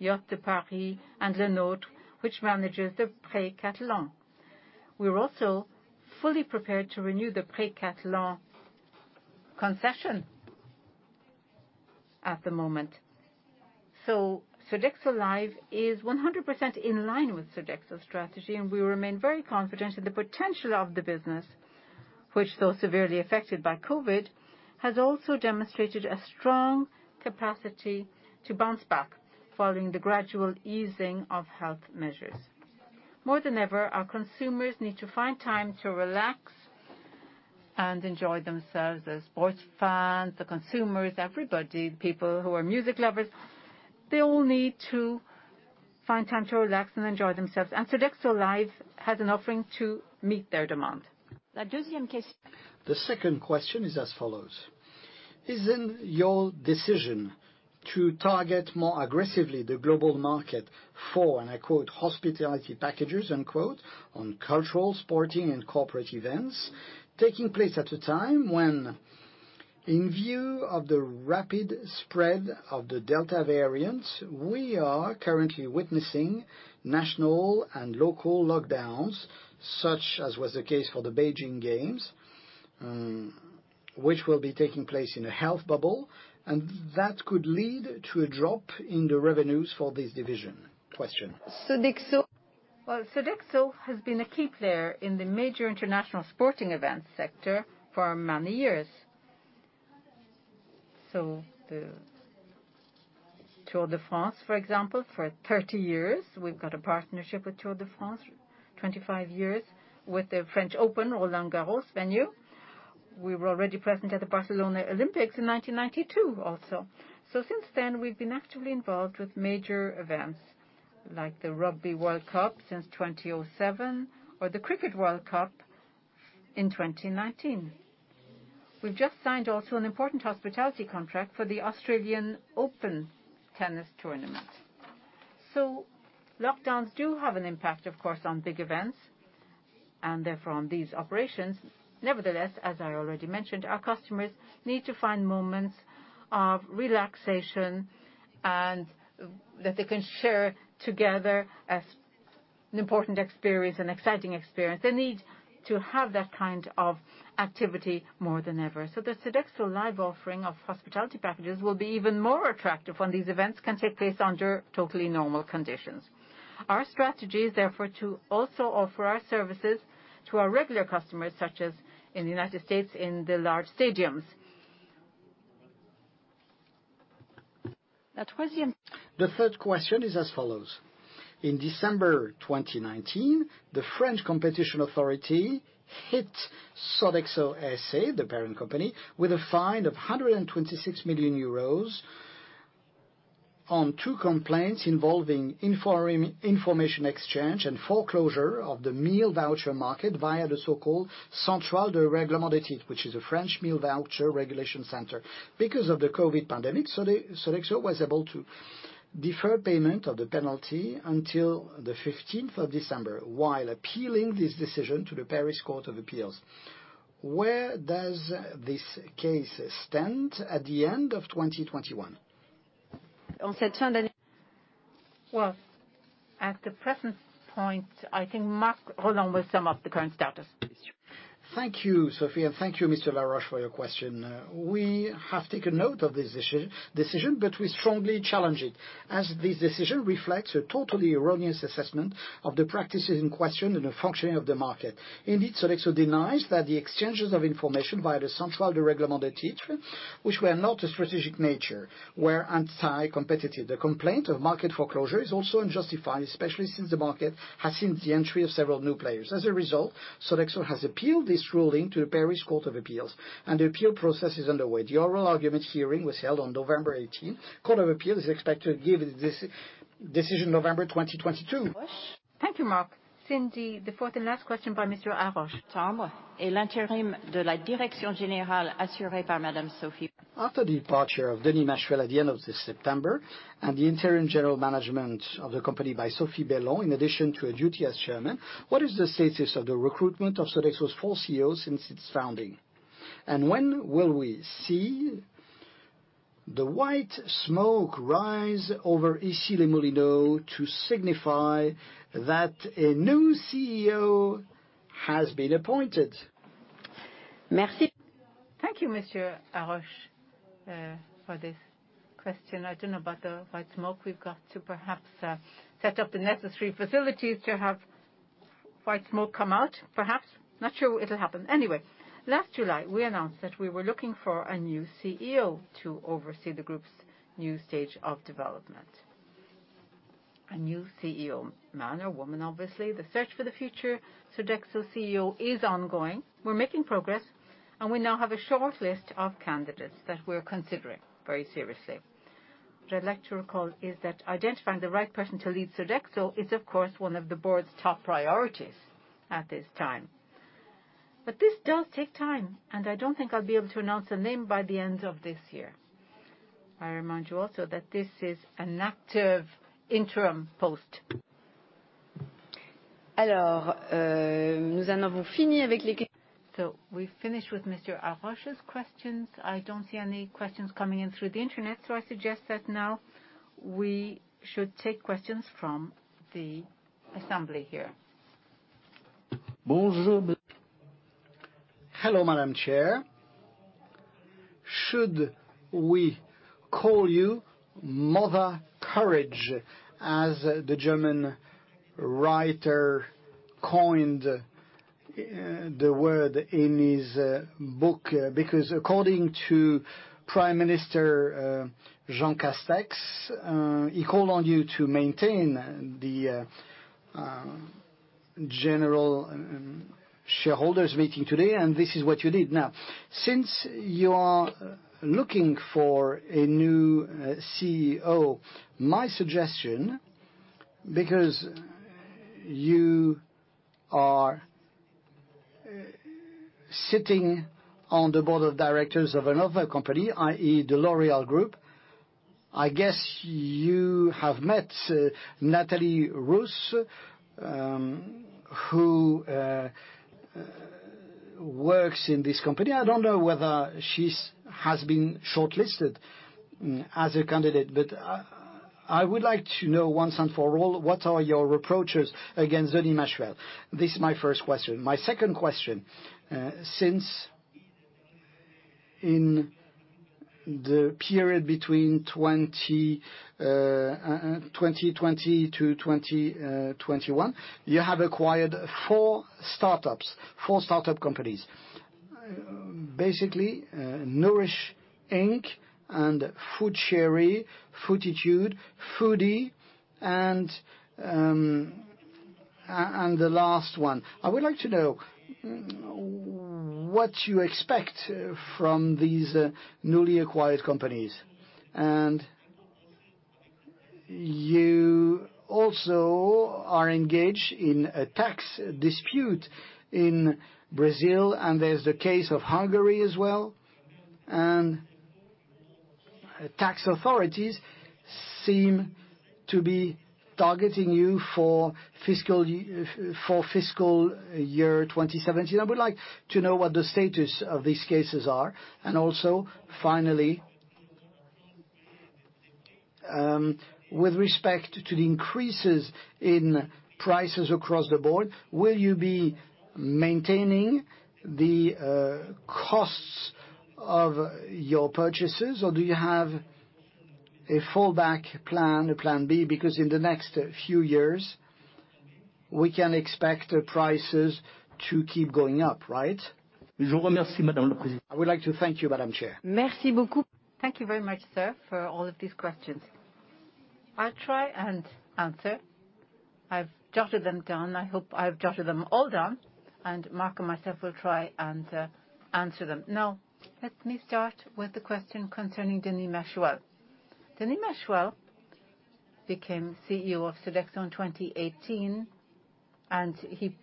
Yachts de Paris, and Lenôtre, which manages the Pré Catelan. We're also fully prepared to renew the Pré Catelan concession at the moment. Sodexo Live! is 100% in line with Sodexo strategy, and we remain very confident in the potential of the business, which though severely affected by COVID, has also demonstrated a strong capacity to bounce back following the gradual easing of health measures. More than ever, our consumers need to find time to relax and enjoy themselves. The sports fans, the consumers, everybody, people who are music lovers, they all need to find time to relax and enjoy themselves, and Sodexo Live! has an offering to meet their demand.
The second question is as follows: Isn't your decision to target more aggressively the global market for, and I quote, hospitality packages, unquote, on cultural, sporting, and corporate events taking place at a time when, in view of the rapid spread of the Delta variant, we are currently witnessing national and local lockdowns, such as was the case for the Beijing Games, which will be taking place in a health bubble, and that could lead to a drop in the revenues for this division? Question.
Well, Sodexo has been a key player in the major international sporting events sector for many years. The Tour de France, for example, for 30 years, we've got a partnership with Tour de France, 25 years with the French Open Roland-Garros venue. We were already present at the Barcelona Olympics in 1992 also. Since then, we've been actively involved with major events like the Rugby World Cup since 2007 or the Cricket World Cup in 2019. We've just signed also an important hospitality contract for the Australian Open tennis tournament. Lockdowns do have an impact, of course, on big events and therefore on these operations. Nevertheless, as I already mentioned, our customers need to find moments of relaxation and that they can share together as an important experience, an exciting experience. They need to have that kind of activity more than ever. The Sodexo Live! offering of hospitality packages will be even more attractive when these events can take place under totally normal conditions. Our strategy is therefore to also offer our services to our regular customers, such as in the United States, in the large stadiums.
The third question is as follows: In December 2019, the French Competition Authority hit Sodexo S.A., the parent company, with a fine of 126 million euros on two complaints involving information exchange and foreclosure of the meal voucher market via the so-called Centrale de Règlement des Titres, which is a French meal voucher regulation center. Because of the COVID-19 pandemic, Sodexo was able to defer payment of the penalty until the fifteenth of December while appealing this decision to the Paris Court of Appeals. Where does this case stand at the end of 2021?
Well, at the present point, I think Marc Rolland will sum up the current status.
Thank you, Sophie, and thank you, Mr. Laroche, for your question. We have taken note of this decision, but we strongly challenge it, as this decision reflects a totally erroneous assessment of the practices in question and the functioning of the market. Indeed, Sodexo denies that the exchanges of information via the Centrale de Règlement, which were not a strategic nature, were anti-competitive. The complaint of market foreclosure is also unjustified, especially since the market has seen the entry of several new players. As a result, Sodexo has appealed this ruling to the Paris Court of Appeals, and the appeal process is underway. The oral argument hearing was held on November 18. Court of Appeals is expected to give its decision November 2022.
Thank you, Marc. Cindy, the fourth and last question by Mr. Laroche.
After the departure of Denis Machuel at the end of this September and the interim general management of the company by Sophie Bellon, in addition to her duty as Chairwoman, what is the status of the recruitment of Sodexo's full CEO since its founding? When will we see the white smoke rise over Issy-les-Moulineaux to signify that a new CEO has been appointed?
Thank you, Mr. Laroche, for this question. I don't know about the white smoke. We've got to perhaps set up the necessary facilities to have white smoke come out, perhaps. Not sure it'll happen. Anyway, last July, we announced that we were looking for a new CEO to oversee the group's new stage of development. A new CEO, man or woman, obviously. The search for the future Sodexo CEO is ongoing. We're making progress, and we now have a shortlist of candidates that we're considering very seriously. I'd like to recall that identifying the right person to lead Sodexo is, of course, one of the board's top priorities at this time. This does take time, and I don't think I'll be able to announce a name by the end of this year. I remind you also that this is an active interim post. We've finished with Mr. Laroche's questions. I don't see any questions coming in through the internet, so I suggest that now we should take questions from the assembly here.
Hello, Madam Chair. Should we call you Mother Courage, as the German writer coined the word in his book? Because according to Prime Minister Jean Castex, he called on you to maintain the general shareholders meeting today, and this is what you did. Now, since you are looking for a new CEO, my suggestion, because you are sitting on the board of directors of another company, i.e. the L'Oréal Group, I guess you have met Nathalie Roos, who works in this company. I don't know whether she has been shortlisted as a candidate, but I would like to know once and for all, what are your reproaches against Denis Machuel? This is my first question. My second question. During the period between 2020 to 2021, you have acquired four startup companies. Basically, Nourish Inc. FoodChéri, Fooditude, Foodee, and the last one. I would like to know what you expect from these newly acquired companies. You also are engaged in a tax dispute in Brazil, and there's the case of Hungary as well. Tax authorities seem to be targeting you for fiscal year 2017. I would like to know what the status of these cases are. Also, finally, with respect to the increases in prices across the board, will you be maintaining the costs of your purchases, or do you have a fallback plan, a plan B? Because in the next few years, we can expect prices to keep going up, right? I would like to thank you, Madam Chair.
Thank you very much, sir, for all of these questions. I'll try and answer. I've jotted them down. I hope I've jotted them all down, and Marc and myself will try and answer them. Now, let me start with the question concerning Denis Machuel. Denis Machuel became CEO of Sodexo in 2018, and he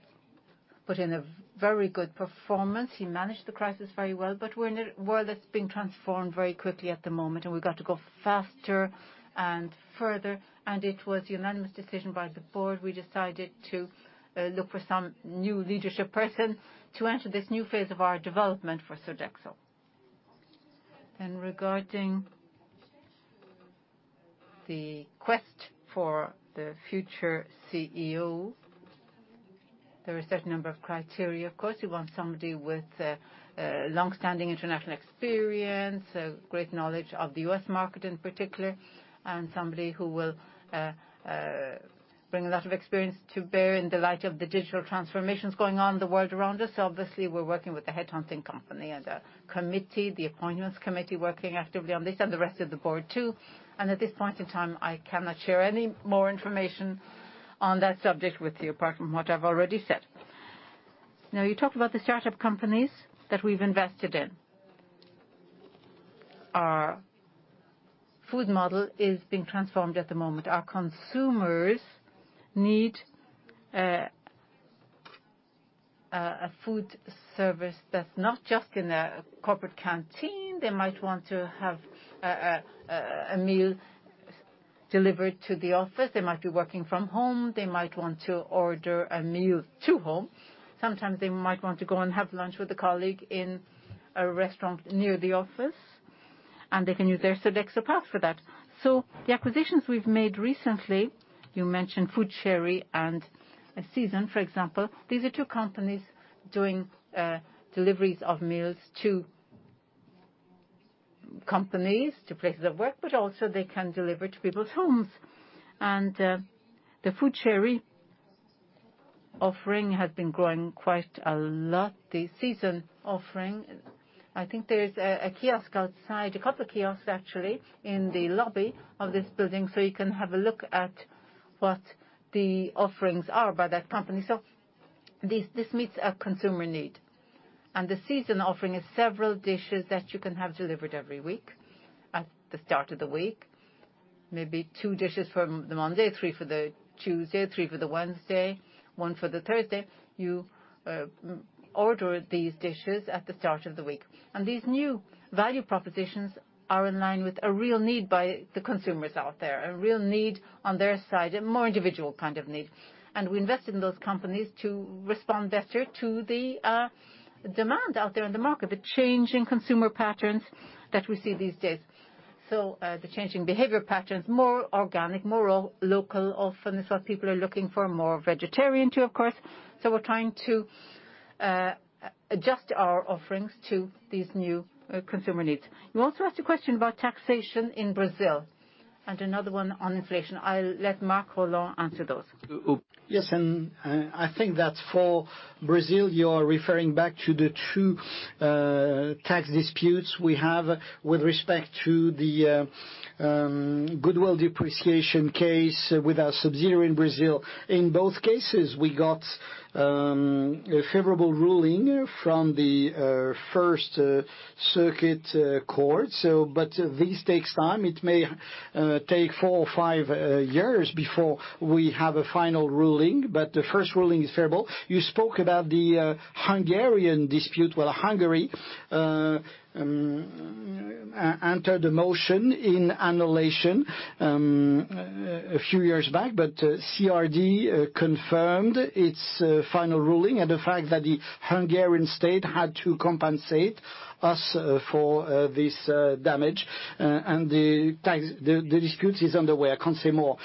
put in a very good performance. He managed the crisis very well, but we're in a world that's being transformed very quickly at the moment, and we've got to go faster and further. It was a unanimous decision by the board. We decided to look for some new leadership person to enter this new phase of our development for Sodexo. Regarding the quest for the future CEO, there are a certain number of criteria. Of course, we want somebody with longstanding international experience, a great knowledge of the U.S. market in particular, and somebody who will bring a lot of experience to bear in the light of the digital transformations going on in the world around us. Obviously, we're working with a headhunting company and a committee, the appointments committee, working actively on this, and the rest of the board too. At this point in time, I cannot share any more information on that subject with you, apart from what I've already said. Now, you talked about the startup companies that we've invested in. Our food model is being transformed at the moment. Our consumers need a food service that's not just in a corporate canteen. They might want to have a meal delivered to the office. They might be working from home. They might want to order a meal to home. Sometimes they might want to go and have lunch with a colleague in a restaurant near the office, and they can use their Sodexo Pass for that. The acquisitions we've made recently, you mentioned FoodChéri and Seazon, for example. These are two companies doing deliveries of meals to companies, to places of work, but also they can deliver to people's homes. The FoodChéri offering has been growing quite a lot. The Seazon offering, I think there's a kiosk outside, a couple of kiosks actually in the lobby of this building, so you can have a look at what the offerings are by that company. This meets a consumer need. The Seazon offering is several dishes that you can have delivered every week, at the start of the week. Maybe 2 dishes for Monday, 3 for Tuesday, 3 for Wednesday, 1 for Thursday. You order these dishes at the start of the week. These new value propositions are in line with a real need by the consumers out there, a real need on their side, a more individual kind of need. We invested in those companies to respond better to the demand out there in the market, the change in consumer patterns that we see these days. The changing behavior patterns, more organic, more local, often is what people are looking for. More vegetarian too, of course. We're trying to adjust our offerings to these new consumer needs. You also asked a question about taxation in Brazil, and another one on inflation. I'll let Marc Rolland answer those.
I think that for Brazil, you're referring back to the 2 tax disputes we have with respect to the goodwill depreciation case with our subsidiary in Brazil. In both cases, we got a favorable ruling from the first circuit court. This takes time. It may take 4 or 5 years before we have a final ruling, but the first ruling is favorable. You spoke about the Hungarian dispute. Well, Hungary entered a motion for annulment a few years back, but ICSID confirmed its final ruling and the fact that the Hungarian state had to compensate us for this damage. The tax dispute is underway. I can't say more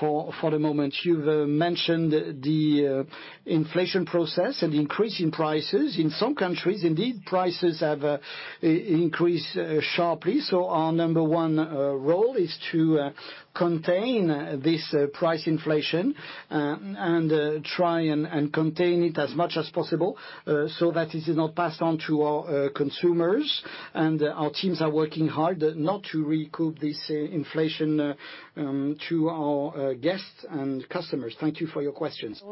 for the moment. You've mentioned the inflation process and increase in prices. In some countries, indeed, prices have increased sharply, so our number one role is to contain this price inflation and try and contain it as much as possible, so that it is not passed on to our consumers. Our teams are working hard not to recoup this inflation to our guests and customers. Thank you for your questions.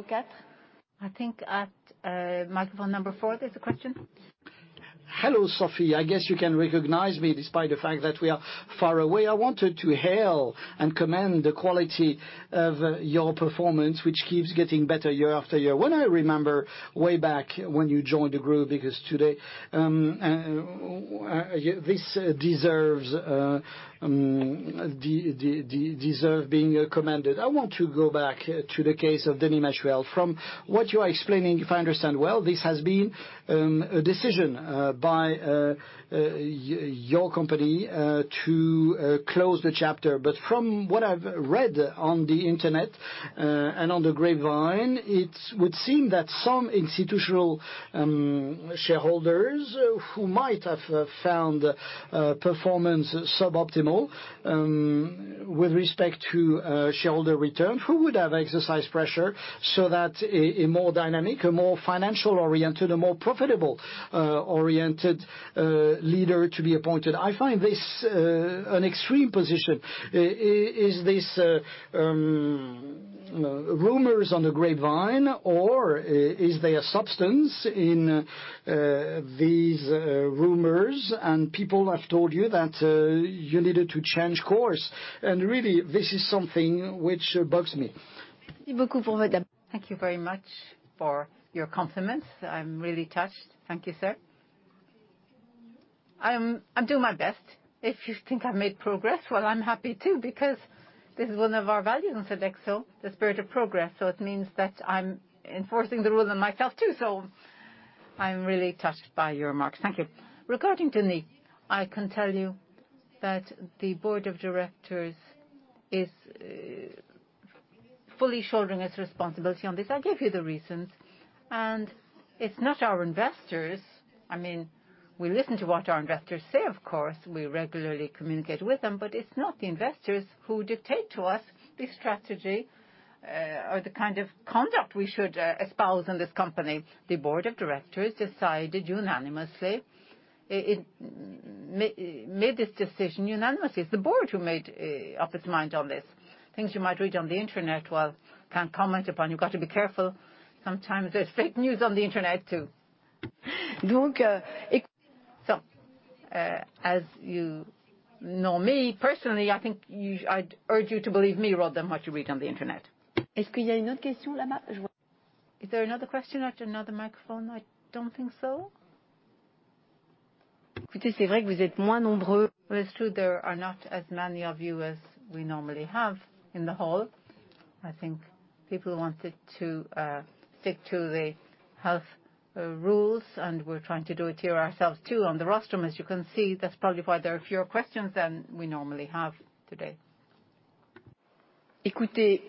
I think at microphone number four, there's a question.
Hello, Sophie. I guess you can recognize me despite the fact that we are far away. I wanted to hail and commend the quality of your performance, which keeps getting better year after year. When I remember way back when you joined the group, because today this deserves being commended. I want to go back to the case of Denis Machuel. From what you are explaining, if I understand well, this has been a decision by your company to close the chapter. From what I've read on the internet and on the grapevine, it would seem that some institutional shareholders who might have found performance suboptimal with respect to shareholder return would have exercised pressure so that a more dynamic, a more financial-oriented, a more profitable oriented leader to be appointed. I find this an extreme position. Is this rumors on the grapevine or is there substance in these rumors and people have told you that you needed to change course? Really, this is something which bugs me.
Thank you very much for your compliments. I'm really touched. Thank you, sir. I'm doing my best. If you think I made progress, well, I'm happy, too, because this is one of our values in Sodexo, the spirit of progress. It means that I'm enforcing the rule on myself, too. I'm really touched by your remarks. Thank you. Regarding Denis, I can tell you that the Board of Directors is fully shouldering its responsibility on this. I gave you the reasons, and it's not our investors. I mean, we listen to what our investors say, of course. We regularly communicate with them, but it's not the investors who dictate to us the strategy or the kind of conduct we should espouse in this company. The Board of Directors decided unanimously. It made this decision unanimously. It's the board who made up its mind on this. Things you might read on the internet, well, can't comment upon. You've got to be careful. Sometimes there's fake news on the internet, too. As you know me personally, I'd urge you to believe me rather than what you read on the internet. Is there another question at another microphone? I don't think so. Well, it's true there are not as many of you as we normally have in the hall. I think people wanted to stick to the health rules, and we're trying to do it here ourselves too on the rostrum, as you can see. That's probably why there are fewer questions than we normally have today. In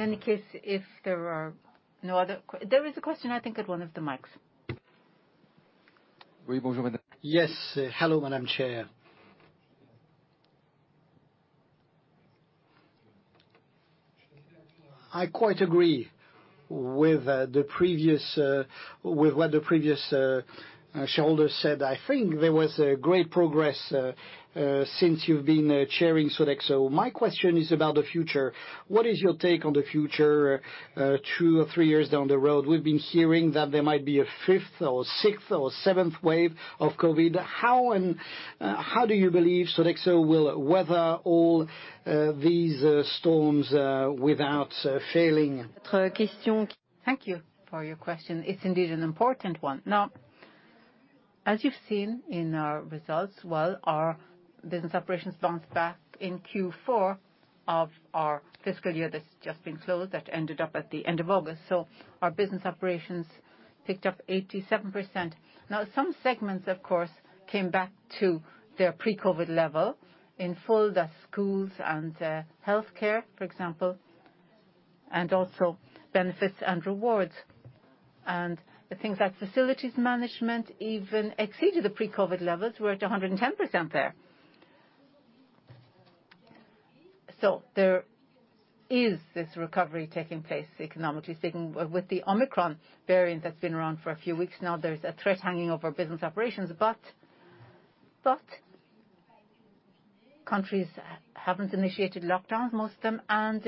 any case, if there are no other questions, there is a question, I think, at one of the mics.
Yes. Hello, Madam Chair. I quite agree with what the previous shareholder said. I think there was a great progress since you've been chairing Sodexo. My question is about the future. What is your take on the future, two or three years down the road? We've been hearing that there might be a fifth or sixth or seventh wave of COVID. How do you believe Sodexo will weather all these storms without failing?
Thank you for your question. It's indeed an important one. Now, as you've seen in our results, well, our business operations bounced back in Q4 of our fiscal year that's just been closed, that ended up at the end of August. Our business operations picked up 87%. Now, some segments, of course, came back to their pre-COVID level. In fact, the schools and healthcare, for example, and also benefits and rewards. The things like facilities management even exceeded the pre-COVID levels. We're at 110% there. There is this recovery taking place economically speaking. With the Omicron variant that's been around for a few weeks now, there's a threat hanging over business operations. But countries haven't initiated lockdowns, most of them, and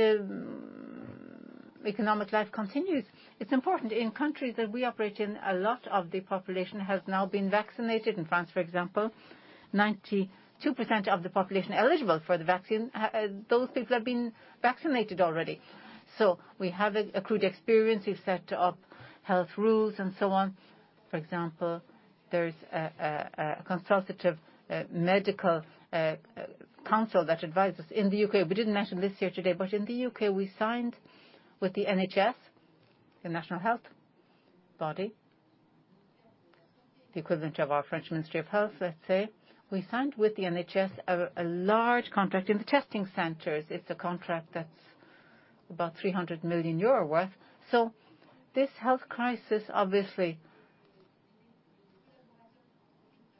economic life continues. It's important. In countries that we operate in, a lot of the population has now been vaccinated. In France, for example, 92% of the population eligible for the vaccine, those people have been vaccinated already. We have acquired experience. We've set up health rules and so on. For example, there's a consultative medical council that advises. In the U.K., we didn't mention this here today, but in the U.K., we signed with the NHS, the national health body, the equivalent of our French Ministry of Health, let's say. We signed with the NHS a large contract in the testing centers. It's a contract that's about 300 million euro worth. This health crisis, obviously.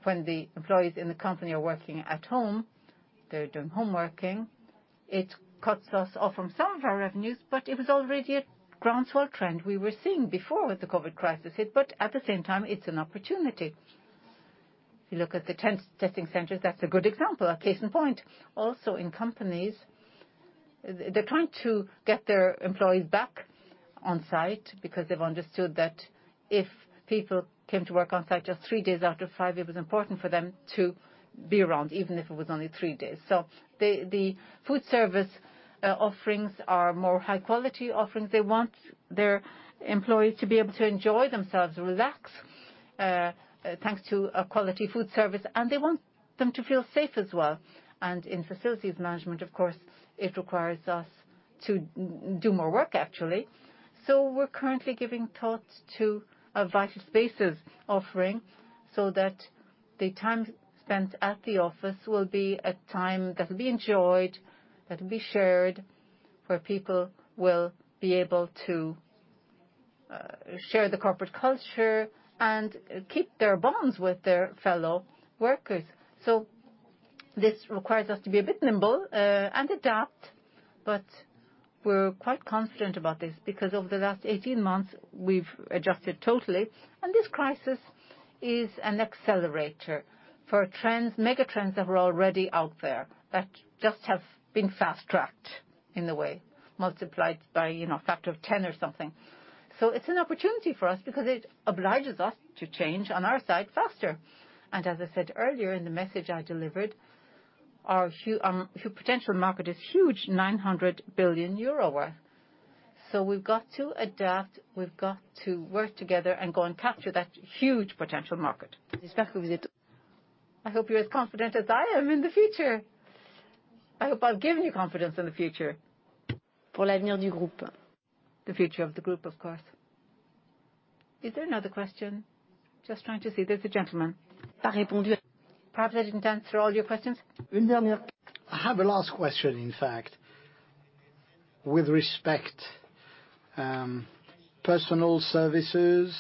When the employees in the company are working at home, they're doing home working, it cuts us off from some of our revenues, but it was already a groundswell trend we were seeing before with the COVID crisis. At the same time, it's an opportunity. If you look at the testing centers, that's a good example, a case in point. Also, in companies, they're trying to get their employees back on site because they've understood that if people came to work on site just three days out of five, it was important for them to be around, even if it was only three days. The food service offerings are more high-quality offerings. They want their employees to be able to enjoy themselves, relax, thanks to a quality food service, and they want them to feel safe as well. In facilities management, of course, it requires us to do more work, actually. We're currently giving thought to a vital spaces offering so that the time spent at the office will be a time that'll be enjoyed, that'll be shared, where people will be able to share the corporate culture and keep their bonds with their fellow workers. This requires us to be a bit nimble and adapt, but we're quite confident about this because over the last 18 months we've adjusted totally. This crisis is an accelerator for trends, megatrends that were already out there that just have been fast-tracked in a way, multiplied by, you know, a factor of 10 or something. It's an opportunity for us because it obliges us to change on our side faster. As I said earlier in the message I delivered, our potential market is huge, 900 billion euro worth. We've got to adapt, we've got to work together and go and capture that huge potential market. I hope you're as confident as I am in the future. I hope I've given you confidence in the future. The future of the group, of course. Is there another question? Just trying to see. There's a gentleman. Perhaps I didn't answer all your questions.
I have a last question, in fact. With respect, personal services,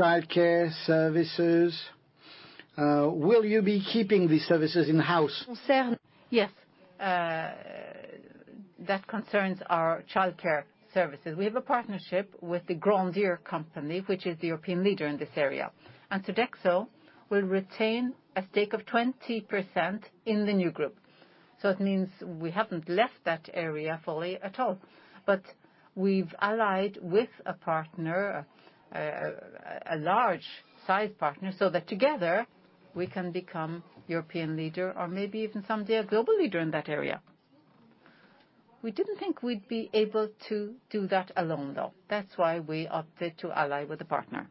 childcare services, will you be keeping these services in-house?
Yes. That concerns our childcare services. We have a partnership with the Grandir company, which is the European leader in this area. Sodexo will retain a stake of 20% in the new group. It means we haven't left that area fully at all. We've allied with a partner, a large-sized partner, so that together we can become European leader or maybe even someday a global leader in that area. We didn't think we'd be able to do that alone, though. That's why we opted to ally with a partner.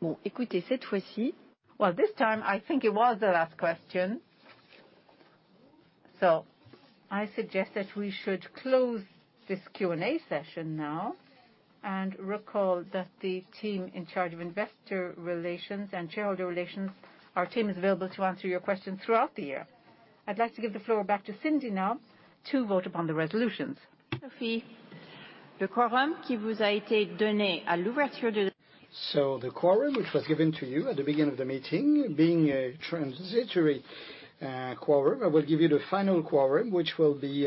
Well, this time I think it was the last question. I suggest that we should close this Q&A session now and recall that the team in charge of investor relations and shareholder relations, our team is available to answer your questions throughout the year. I'd like to give the floor back to Cindy now to vote upon the resolutions.
The quorum which was given to you at the beginning of the meeting, being a transitory quorum, I will give you the final quorum, which will be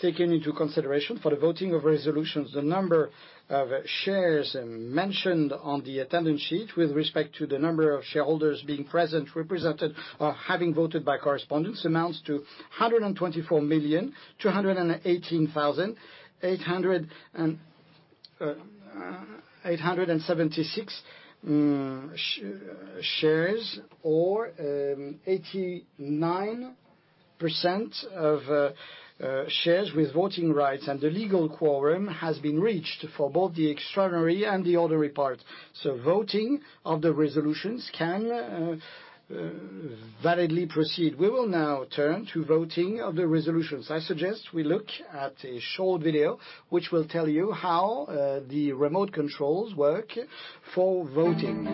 taken into consideration for the voting of resolutions. The number of shares mentioned on the attendance sheet with respect to the number of shareholders being present, represented, or having voted by correspondence, amounts to 124,218,876 shares, or 89% of shares with voting rights. The legal quorum has been reached for both the extraordinary and the ordinary part, so voting of the resolutions can validly proceed. We will now turn to voting of the resolutions. I suggest we look at a short video which will tell you how the remote controls work for voting.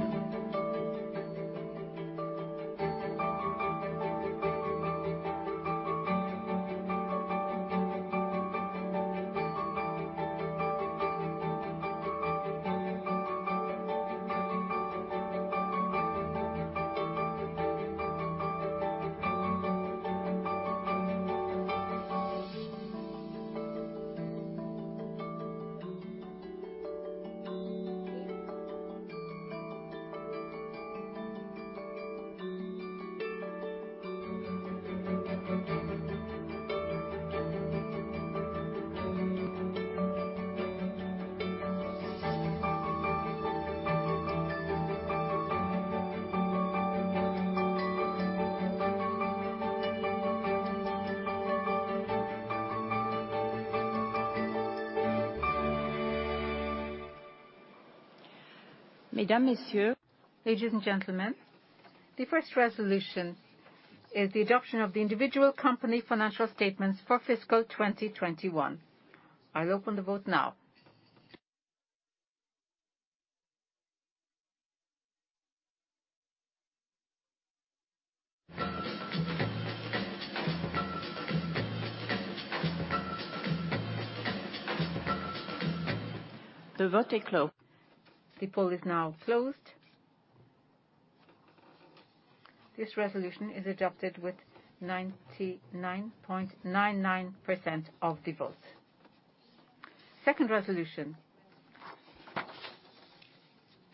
Ladies and gentlemen, the first resolution is the adoption of the individual company financial statements for fiscal 2021. I'll open the vote now. The vote is closed. The poll is now closed. This resolution is adopted with 99.99% of the votes. Second resolution,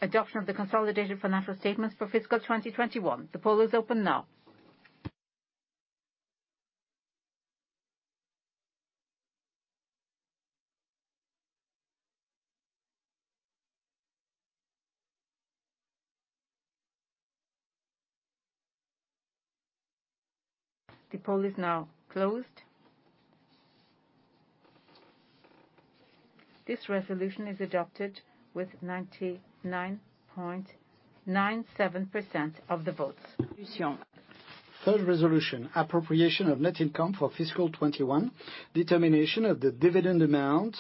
adoption of the consolidated financial statements for fiscal 2021. The poll is open now. The poll is now closed. This resolution is adopted with 99.97% of the votes. Third resolution, appropriation of net income for fiscal 2021, determination of the dividend amount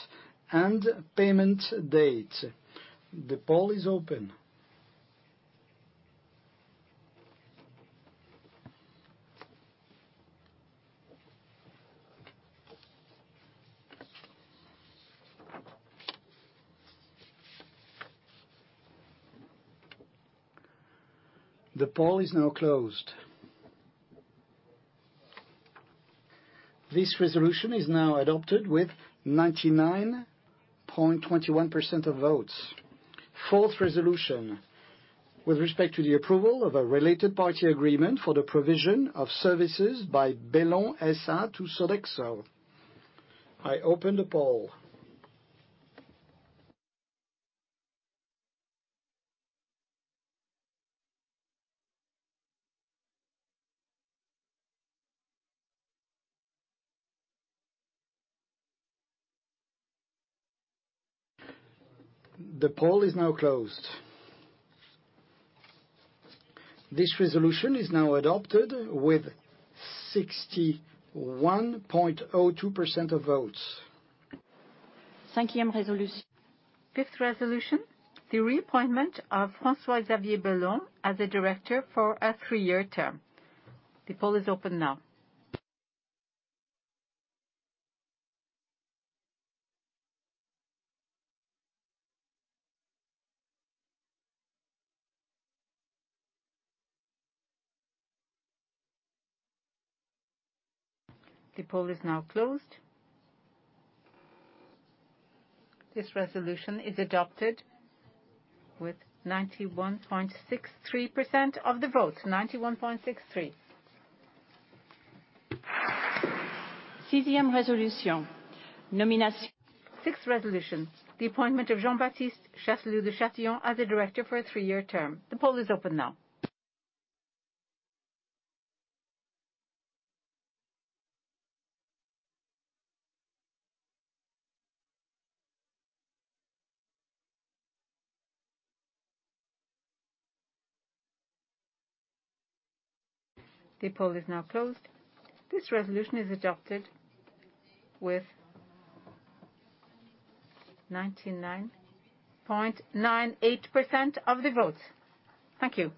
and payment date. The poll is open. The poll is now closed. This resolution is now adopted with 99.21% of votes. Fourth resolution, with respect to the approval of a related party agreement for the provision of services by Bellon SA to Sodexo. I open the poll. The poll is now closed. This resolution is now adopted with 61.02% of votes.
Fifth resolution.
Fifth resolution, the reappointment of François-Xavier Bellon as a director for a three-year term. The poll is open now. The poll is now closed. This resolution is adopted with 91.63% of the votes.
Sixth resolution.
Sixth resolution, the appointment of Jean-Baptiste de Chatillon as a director for a three-year term. The poll is open now. The poll is now closed. This resolution is adopted with 99.98% of the votes. Thank you.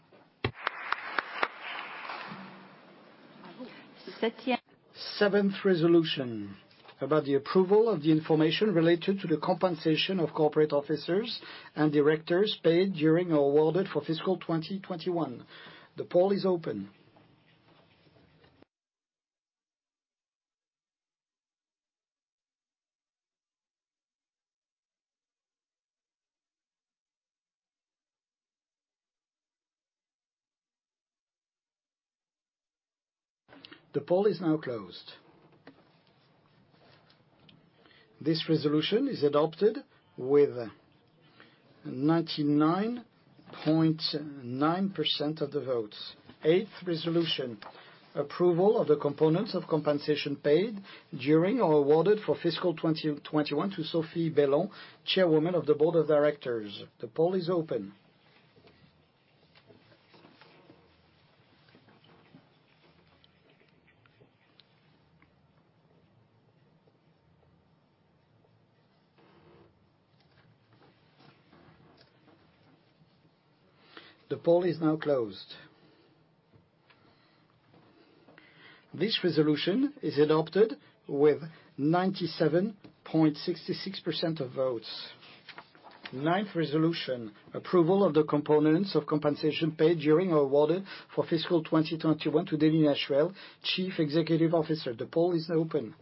Seventh resolution about the approval of the information related to the compensation of corporate officers and directors paid during or awarded for fiscal 2021. The poll is open. The poll is now closed. This resolution is adopted with 99.9% of the votes. Eighth resolution, approval of the components of compensation paid during or awarded for fiscal 2021 to Sophie Bellon, Chairwoman of the Board of Directors. The poll is open. The poll is now closed. This resolution is adopted with 97.66% of votes. Ninth resolution, approval of the components of compensation paid during or awarded for fiscal 2021 to Denis Machuel, Chief Executive Officer. The poll is now open.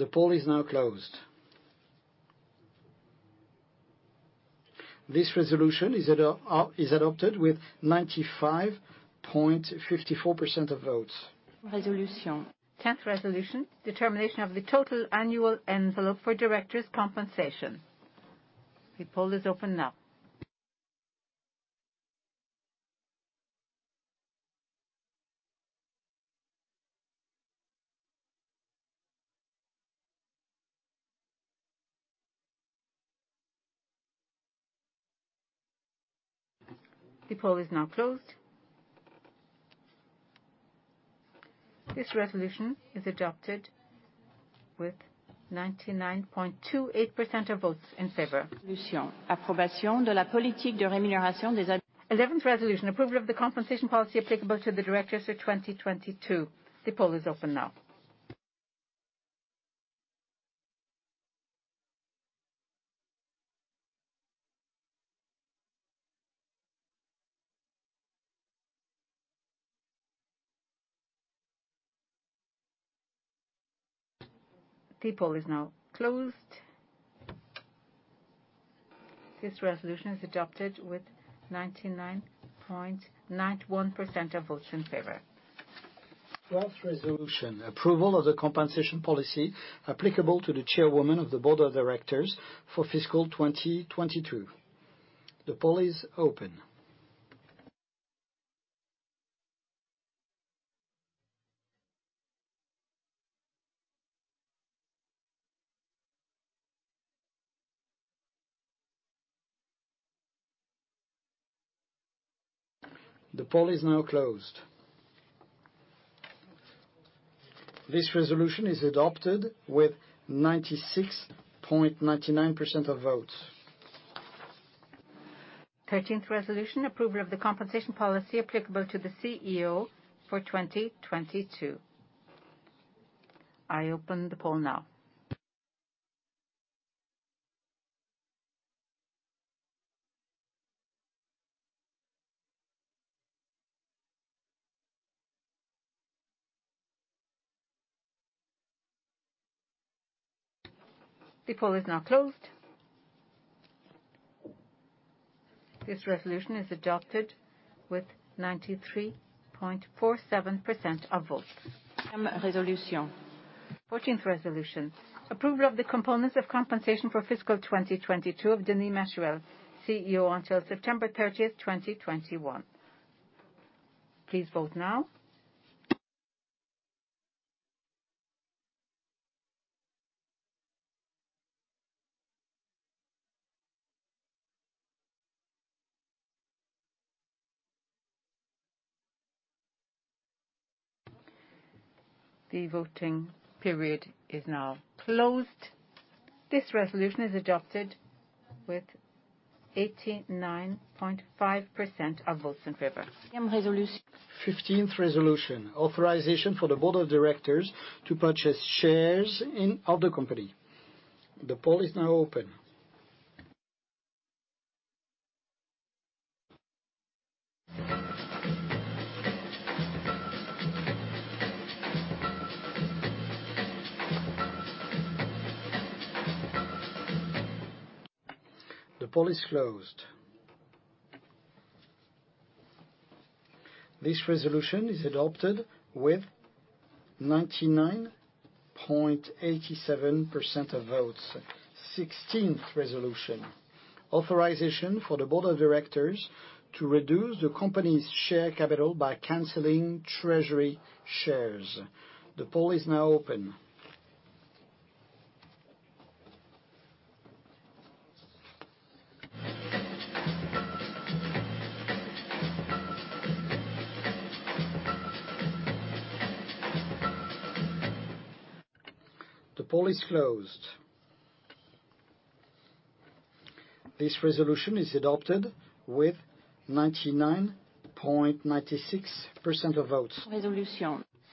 The vote-
The poll is now closed. This resolution is adopted with 95.54% of votes.
Resolution. Tenth resolution, determination of the total annual envelope for directors' compensation. The poll is open now. The poll is now closed. This resolution is adopted with 99.28% of votes in favor. Eleventh resolution, approval of the compensation policy applicable to the directors for 2022. The poll is open now. The poll is now closed. This resolution is adopted with 99.91% of votes in favor.
Twelfth resolution, approval of the compensation policy applicable to the Chairwoman of the Board of Directors for fiscal 2022. The poll is open. The poll is now closed. This resolution is adopted with 96.99% of votes.
Thirteenth resolution, approval of the compensation policy applicable to the CEO for 2022. I open the poll now. The poll is now closed. This resolution is adopted with 93.47% of votes. Fourteenth resolution, approval of the components of compensation for fiscal 2022 of Denis Machuel, CEO until September 30, 2021. Please vote now. The voting period is now closed. This resolution is adopted with 89.5% of votes in favor.
Fifteenth resolution, authorization for the board of directors to purchase shares in other company. The poll is now open. The poll is closed. This resolution is adopted with 99.87% of votes. Sixteenth resolution, authorization for the board of directors to reduce the company's share capital by canceling treasury shares. The poll is now open. The poll is closed. This resolution is adopted with 99.96% of votes.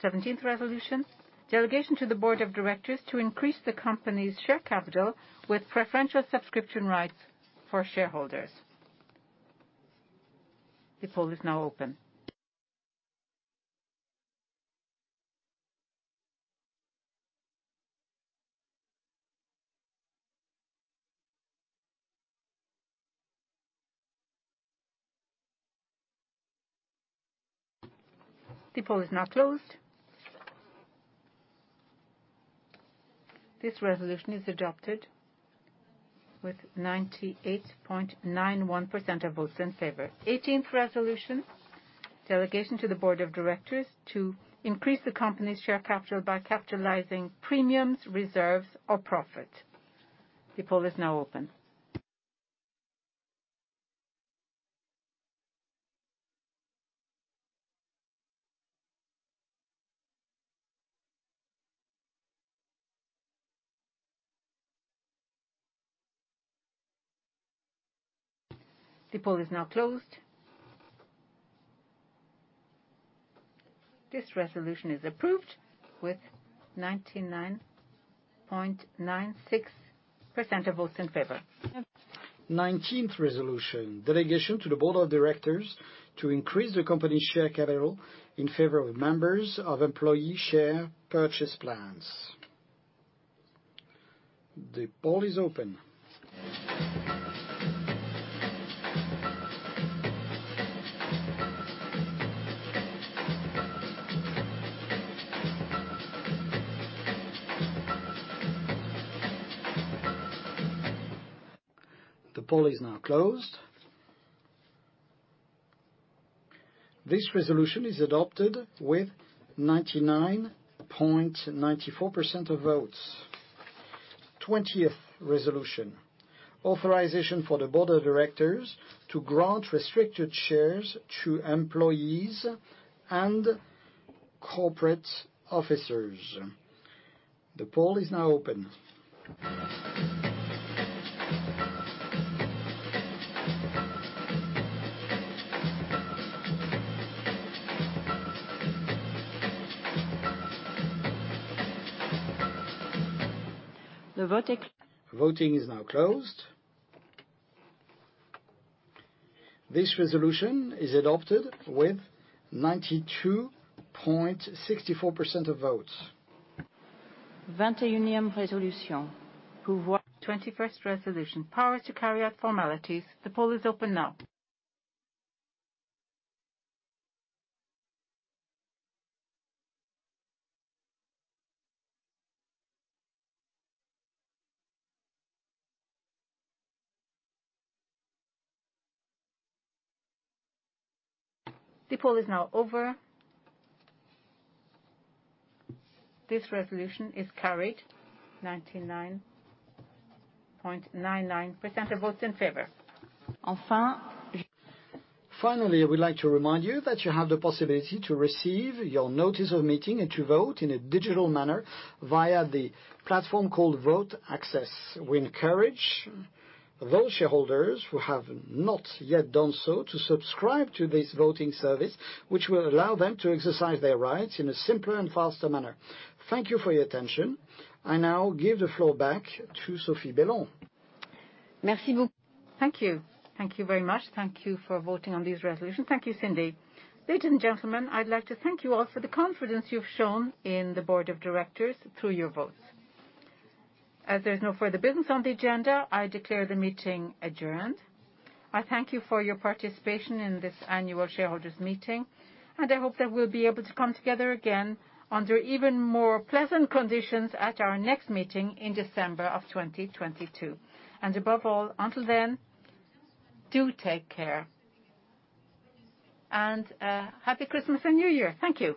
Seventeenth resolution, delegation to the Board of Directors to increase the company's share capital with preferential subscription rights for shareholders. The poll is now open. The poll is now closed. This resolution is adopted with 98.91% of votes in favor. Eighteenth resolution, delegation to the Board of Directors to increase the company's share capital by capitalizing premiums, reserves or profit. The poll is now open. The poll is now closed. This resolution is approved with 99.96% of votes in favor.
Nineteenth resolution, delegation to the board of directors to increase the company's share capital in favor of members of employee share purchase plans. The poll is open. The poll is now closed. This resolution is adopted with 99.94% of votes. Twentieth resolution, authorization for the board of directors to grant restricted shares to employees and corporate officers. The poll is now open.
The vote-
Voting is now closed. This resolution is adopted with 92.64% of votes.
21st resolution, power to carry out formalities. The poll is open now. The poll is now over. This resolution is carried, 99.99% of votes in favor.
Finally, we'd like to remind you that you have the possibility to receive your notice of meeting and to vote in a digital manner via the platform called Votaccess. We encourage those shareholders who have not yet done so to subscribe to this voting service, which will allow them to exercise their rights in a simpler and faster manner. Thank you for your attention. I now give the floor back to Sophie Bellon.
Thank you. Thank you very much. Thank you for voting on these resolutions. Thank you, Cindy. Ladies and gentlemen, I'd like to thank you all for the confidence you've shown in the board of directors through your votes. As there is no further business on the agenda, I declare the meeting adjourned. I thank you for your participation in this annual shareholders meeting, and I hope that we'll be able to come together again under even more pleasant conditions at our next meeting in December of 2022. Above all, until then, do take care. Happy Christmas and New Year. Thank you.